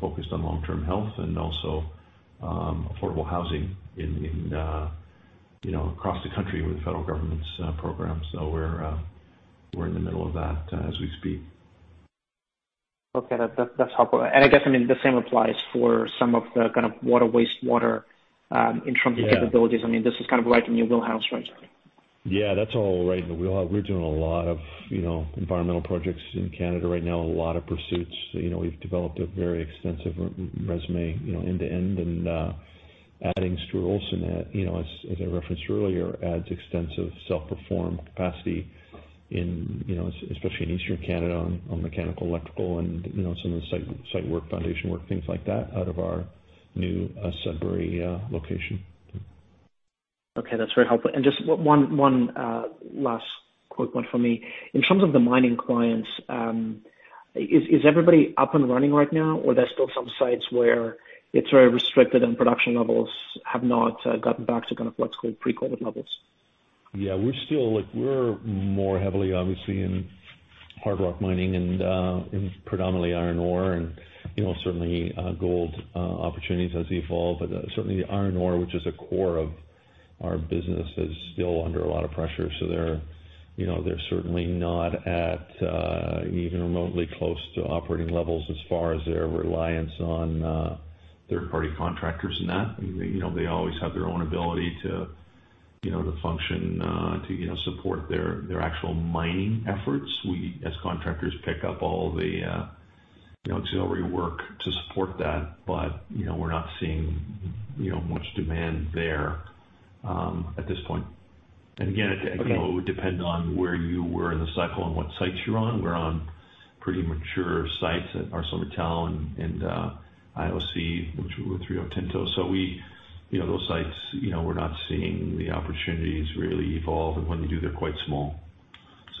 focused on long-term health and also affordable housing across the country with the federal government's programs. We're in the middle of that as we speak. Okay. That's helpful. I guess the same applies for some of the water, wastewater in terms of capabilities. Yeah. This is right in your wheelhouse, right? That's all right in the wheelhouse. We're doing a lot of environmental projects in Canada right now, a lot of pursuits. We've developed a very extensive resume end to end and adding Stuart Olson, as I referenced earlier, adds extensive self-perform capacity especially in Eastern Canada on mechanical, electrical, and some of the site work, foundation work, things like that out of our new Sudbury location. Okay. That's very helpful. Just one last quick one from me. In terms of the mining clients, is everybody up and running right now or there's still some sites where it's very restricted and production levels have not gotten back to what's called pre-COVID levels? Yeah. We're more heavily, obviously, in hard rock mining and predominantly iron ore and certainly gold opportunities as they evolve. Certainly iron ore, which is a core of our business, is still under a lot of pressure. They're certainly not at even remotely close to operating levels as far as their reliance on third-party contractors and that. They always have their own ability to function to support their actual mining efforts. We, as contractors, pick up all the auxiliary work to support that. We're not seeing much demand there at this point. Again, it would depend on where you were in the cycle and what sites you're on. We're on pretty mature sites at ArcelorMittal and IOC, which we were through Rio Tinto. Those sites, we're not seeing the opportunities really evolve. When they do, they're quite small.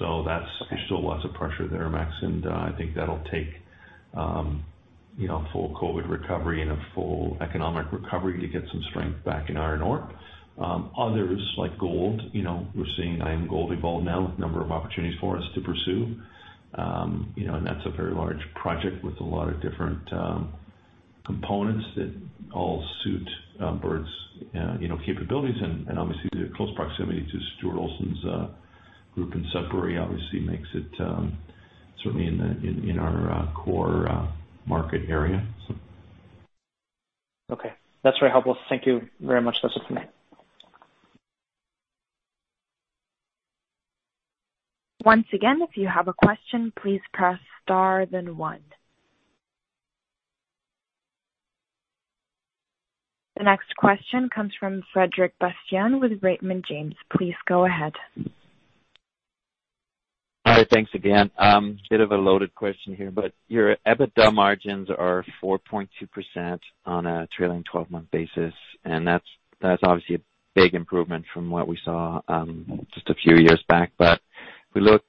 Okay. There's still lots of pressure there, Max, and I think that'll take a full COVID recovery and a full economic recovery to get some strength back in iron ore. Others, like gold, we're seeing IAMGOLD evolve now with a number of opportunities for us to pursue. That's a very large project with a lot of different components that all suit Bird's capabilities. Obviously, the close proximity to Stuart Olson's group in Sudbury obviously makes it certainly in our core market area. Okay. That's very helpful. Thank you very much, that's it for me. Once again, if you have a question, please press star then one. The next question comes from Frederic Bastien with Raymond James. Please go ahead. Hi. Thanks again. Bit of a loaded question here. Your EBITDA margins are 4.2% on a trailing 12-month basis, and that's obviously a big improvement from what we saw just a few years back. If we look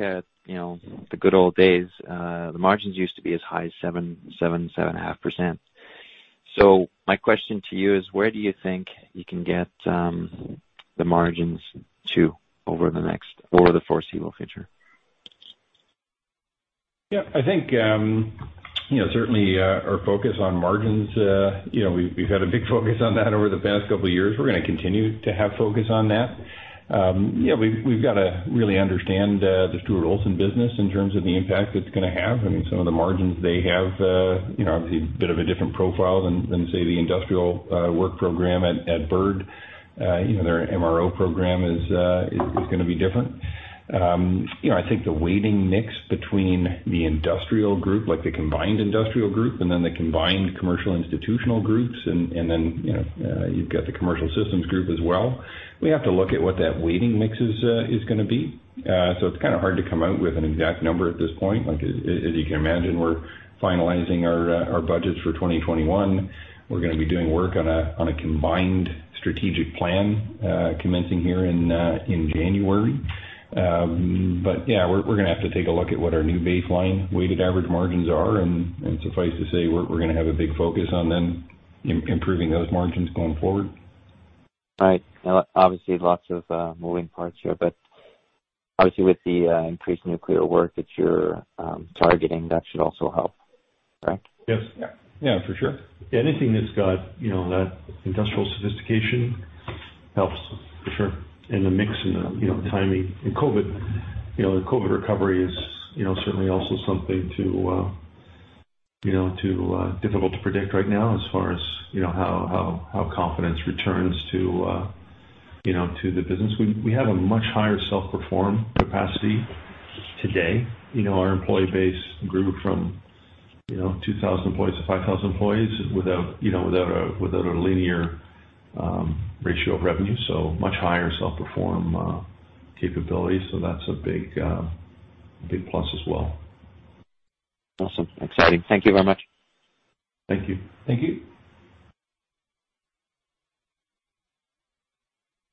at the good old days, the margins used to be as high as 7%, 7.5%. My question to you is, where do you think you can get the margins to over the foreseeable future? Yeah, I think certainly our focus on margins, we've had a big focus on that over the past couple of years. We're going to continue to have focus on that. We've got to really understand the Stuart Olson business in terms of the impact it's going to have. Some of the margins they have, obviously a bit of a different profile than, say, the industrial work program at Bird. Their MRO program is going to be different. I think the weighting mix between the industrial group, like the combined industrial group, and then the combined commercial institutional groups, and then you've got the commercial systems group as well. We have to look at what that weighting mix is going to be. It's kind of hard to come out with an exact number at this point. As you can imagine, we're finalizing our budgets for 2021. We're going to be doing work on a combined strategic plan commencing here in January. Yeah, we're going to have to take a look at what our new baseline weighted average margins are and suffice to say, we're going to have a big focus on then improving those margins going forward. Right. Obviously, lots of moving parts here, but obviously with the increased nuclear work that you're targeting, that should also help, correct? Yes. Yeah, for sure. Anything that's got that industrial sophistication helps for sure in the mix and the timing. COVID recovery is certainly also something difficult to predict right now as far as how confidence returns to the business. We have a much higher self-perform capacity today. Our employee base grew from 2,000 employees to 5,000 employees without a linear ratio of revenue. Much higher self-perform capability. That's a big plus as well. Awesome. Exciting. Thank you very much. Thank you.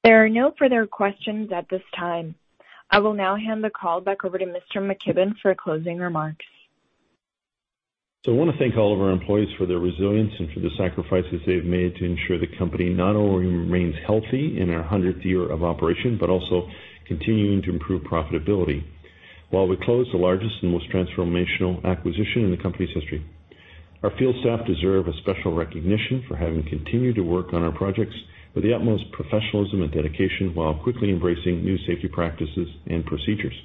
There are no further questions at this time. I will now hand the call back over to Mr. McKibbon for closing remarks. I want to thank all of our employees for their resilience and for the sacrifices they've made to ensure the company not only remains healthy in our 100th year of operation, but also continuing to improve profitability while we close the largest and most transformational acquisition in the company's history. Our field staff deserve a special recognition for having continued to work on our projects with the utmost professionalism and dedication while quickly embracing new safety practices and procedures.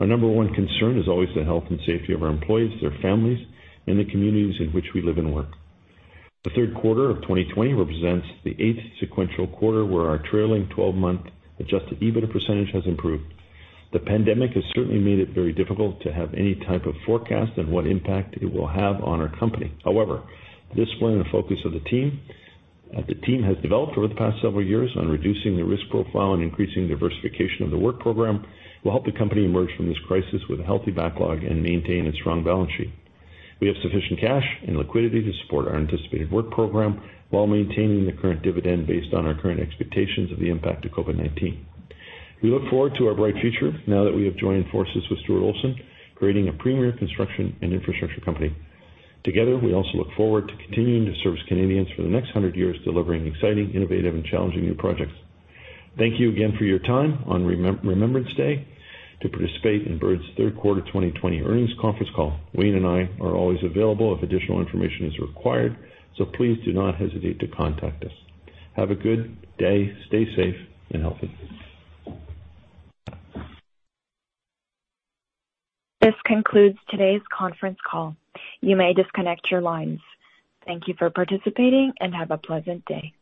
Our number one concern is always the health and safety of our employees, their families, and the communities in which we live and work. The third quarter of 2020 represents the eighth sequential quarter where our trailing 12-month adjusted EBITDA percentage has improved. The pandemic has certainly made it very difficult to have any type of forecast on what impact it will have on our company. However, the discipline and focus of the team, that the team has developed over the past several years on reducing the risk profile and increasing diversification of the work program will help the company emerge from this crisis with a healthy backlog and maintain its strong balance sheet. We have sufficient cash and liquidity to support our anticipated work program while maintaining the current dividend based on our current expectations of the impact of COVID-19. We look forward to our bright future now that we have joined forces with Stuart Olson, creating a premier construction and infrastructure company. Together, we also look forward to continuing to service Canadians for the next 100 years, delivering exciting, innovative, and challenging new projects. Thank you again for your time on Remembrance Day to participate in Bird's Q3 2020 earnings conference call. Wayne and I are always available if additional information is required, so please do not hesitate to contact us. Have a good day. Stay safe and healthy. This concludes today's conference call. You may disconnect your lines. Thank you for participating and have a pleasant day.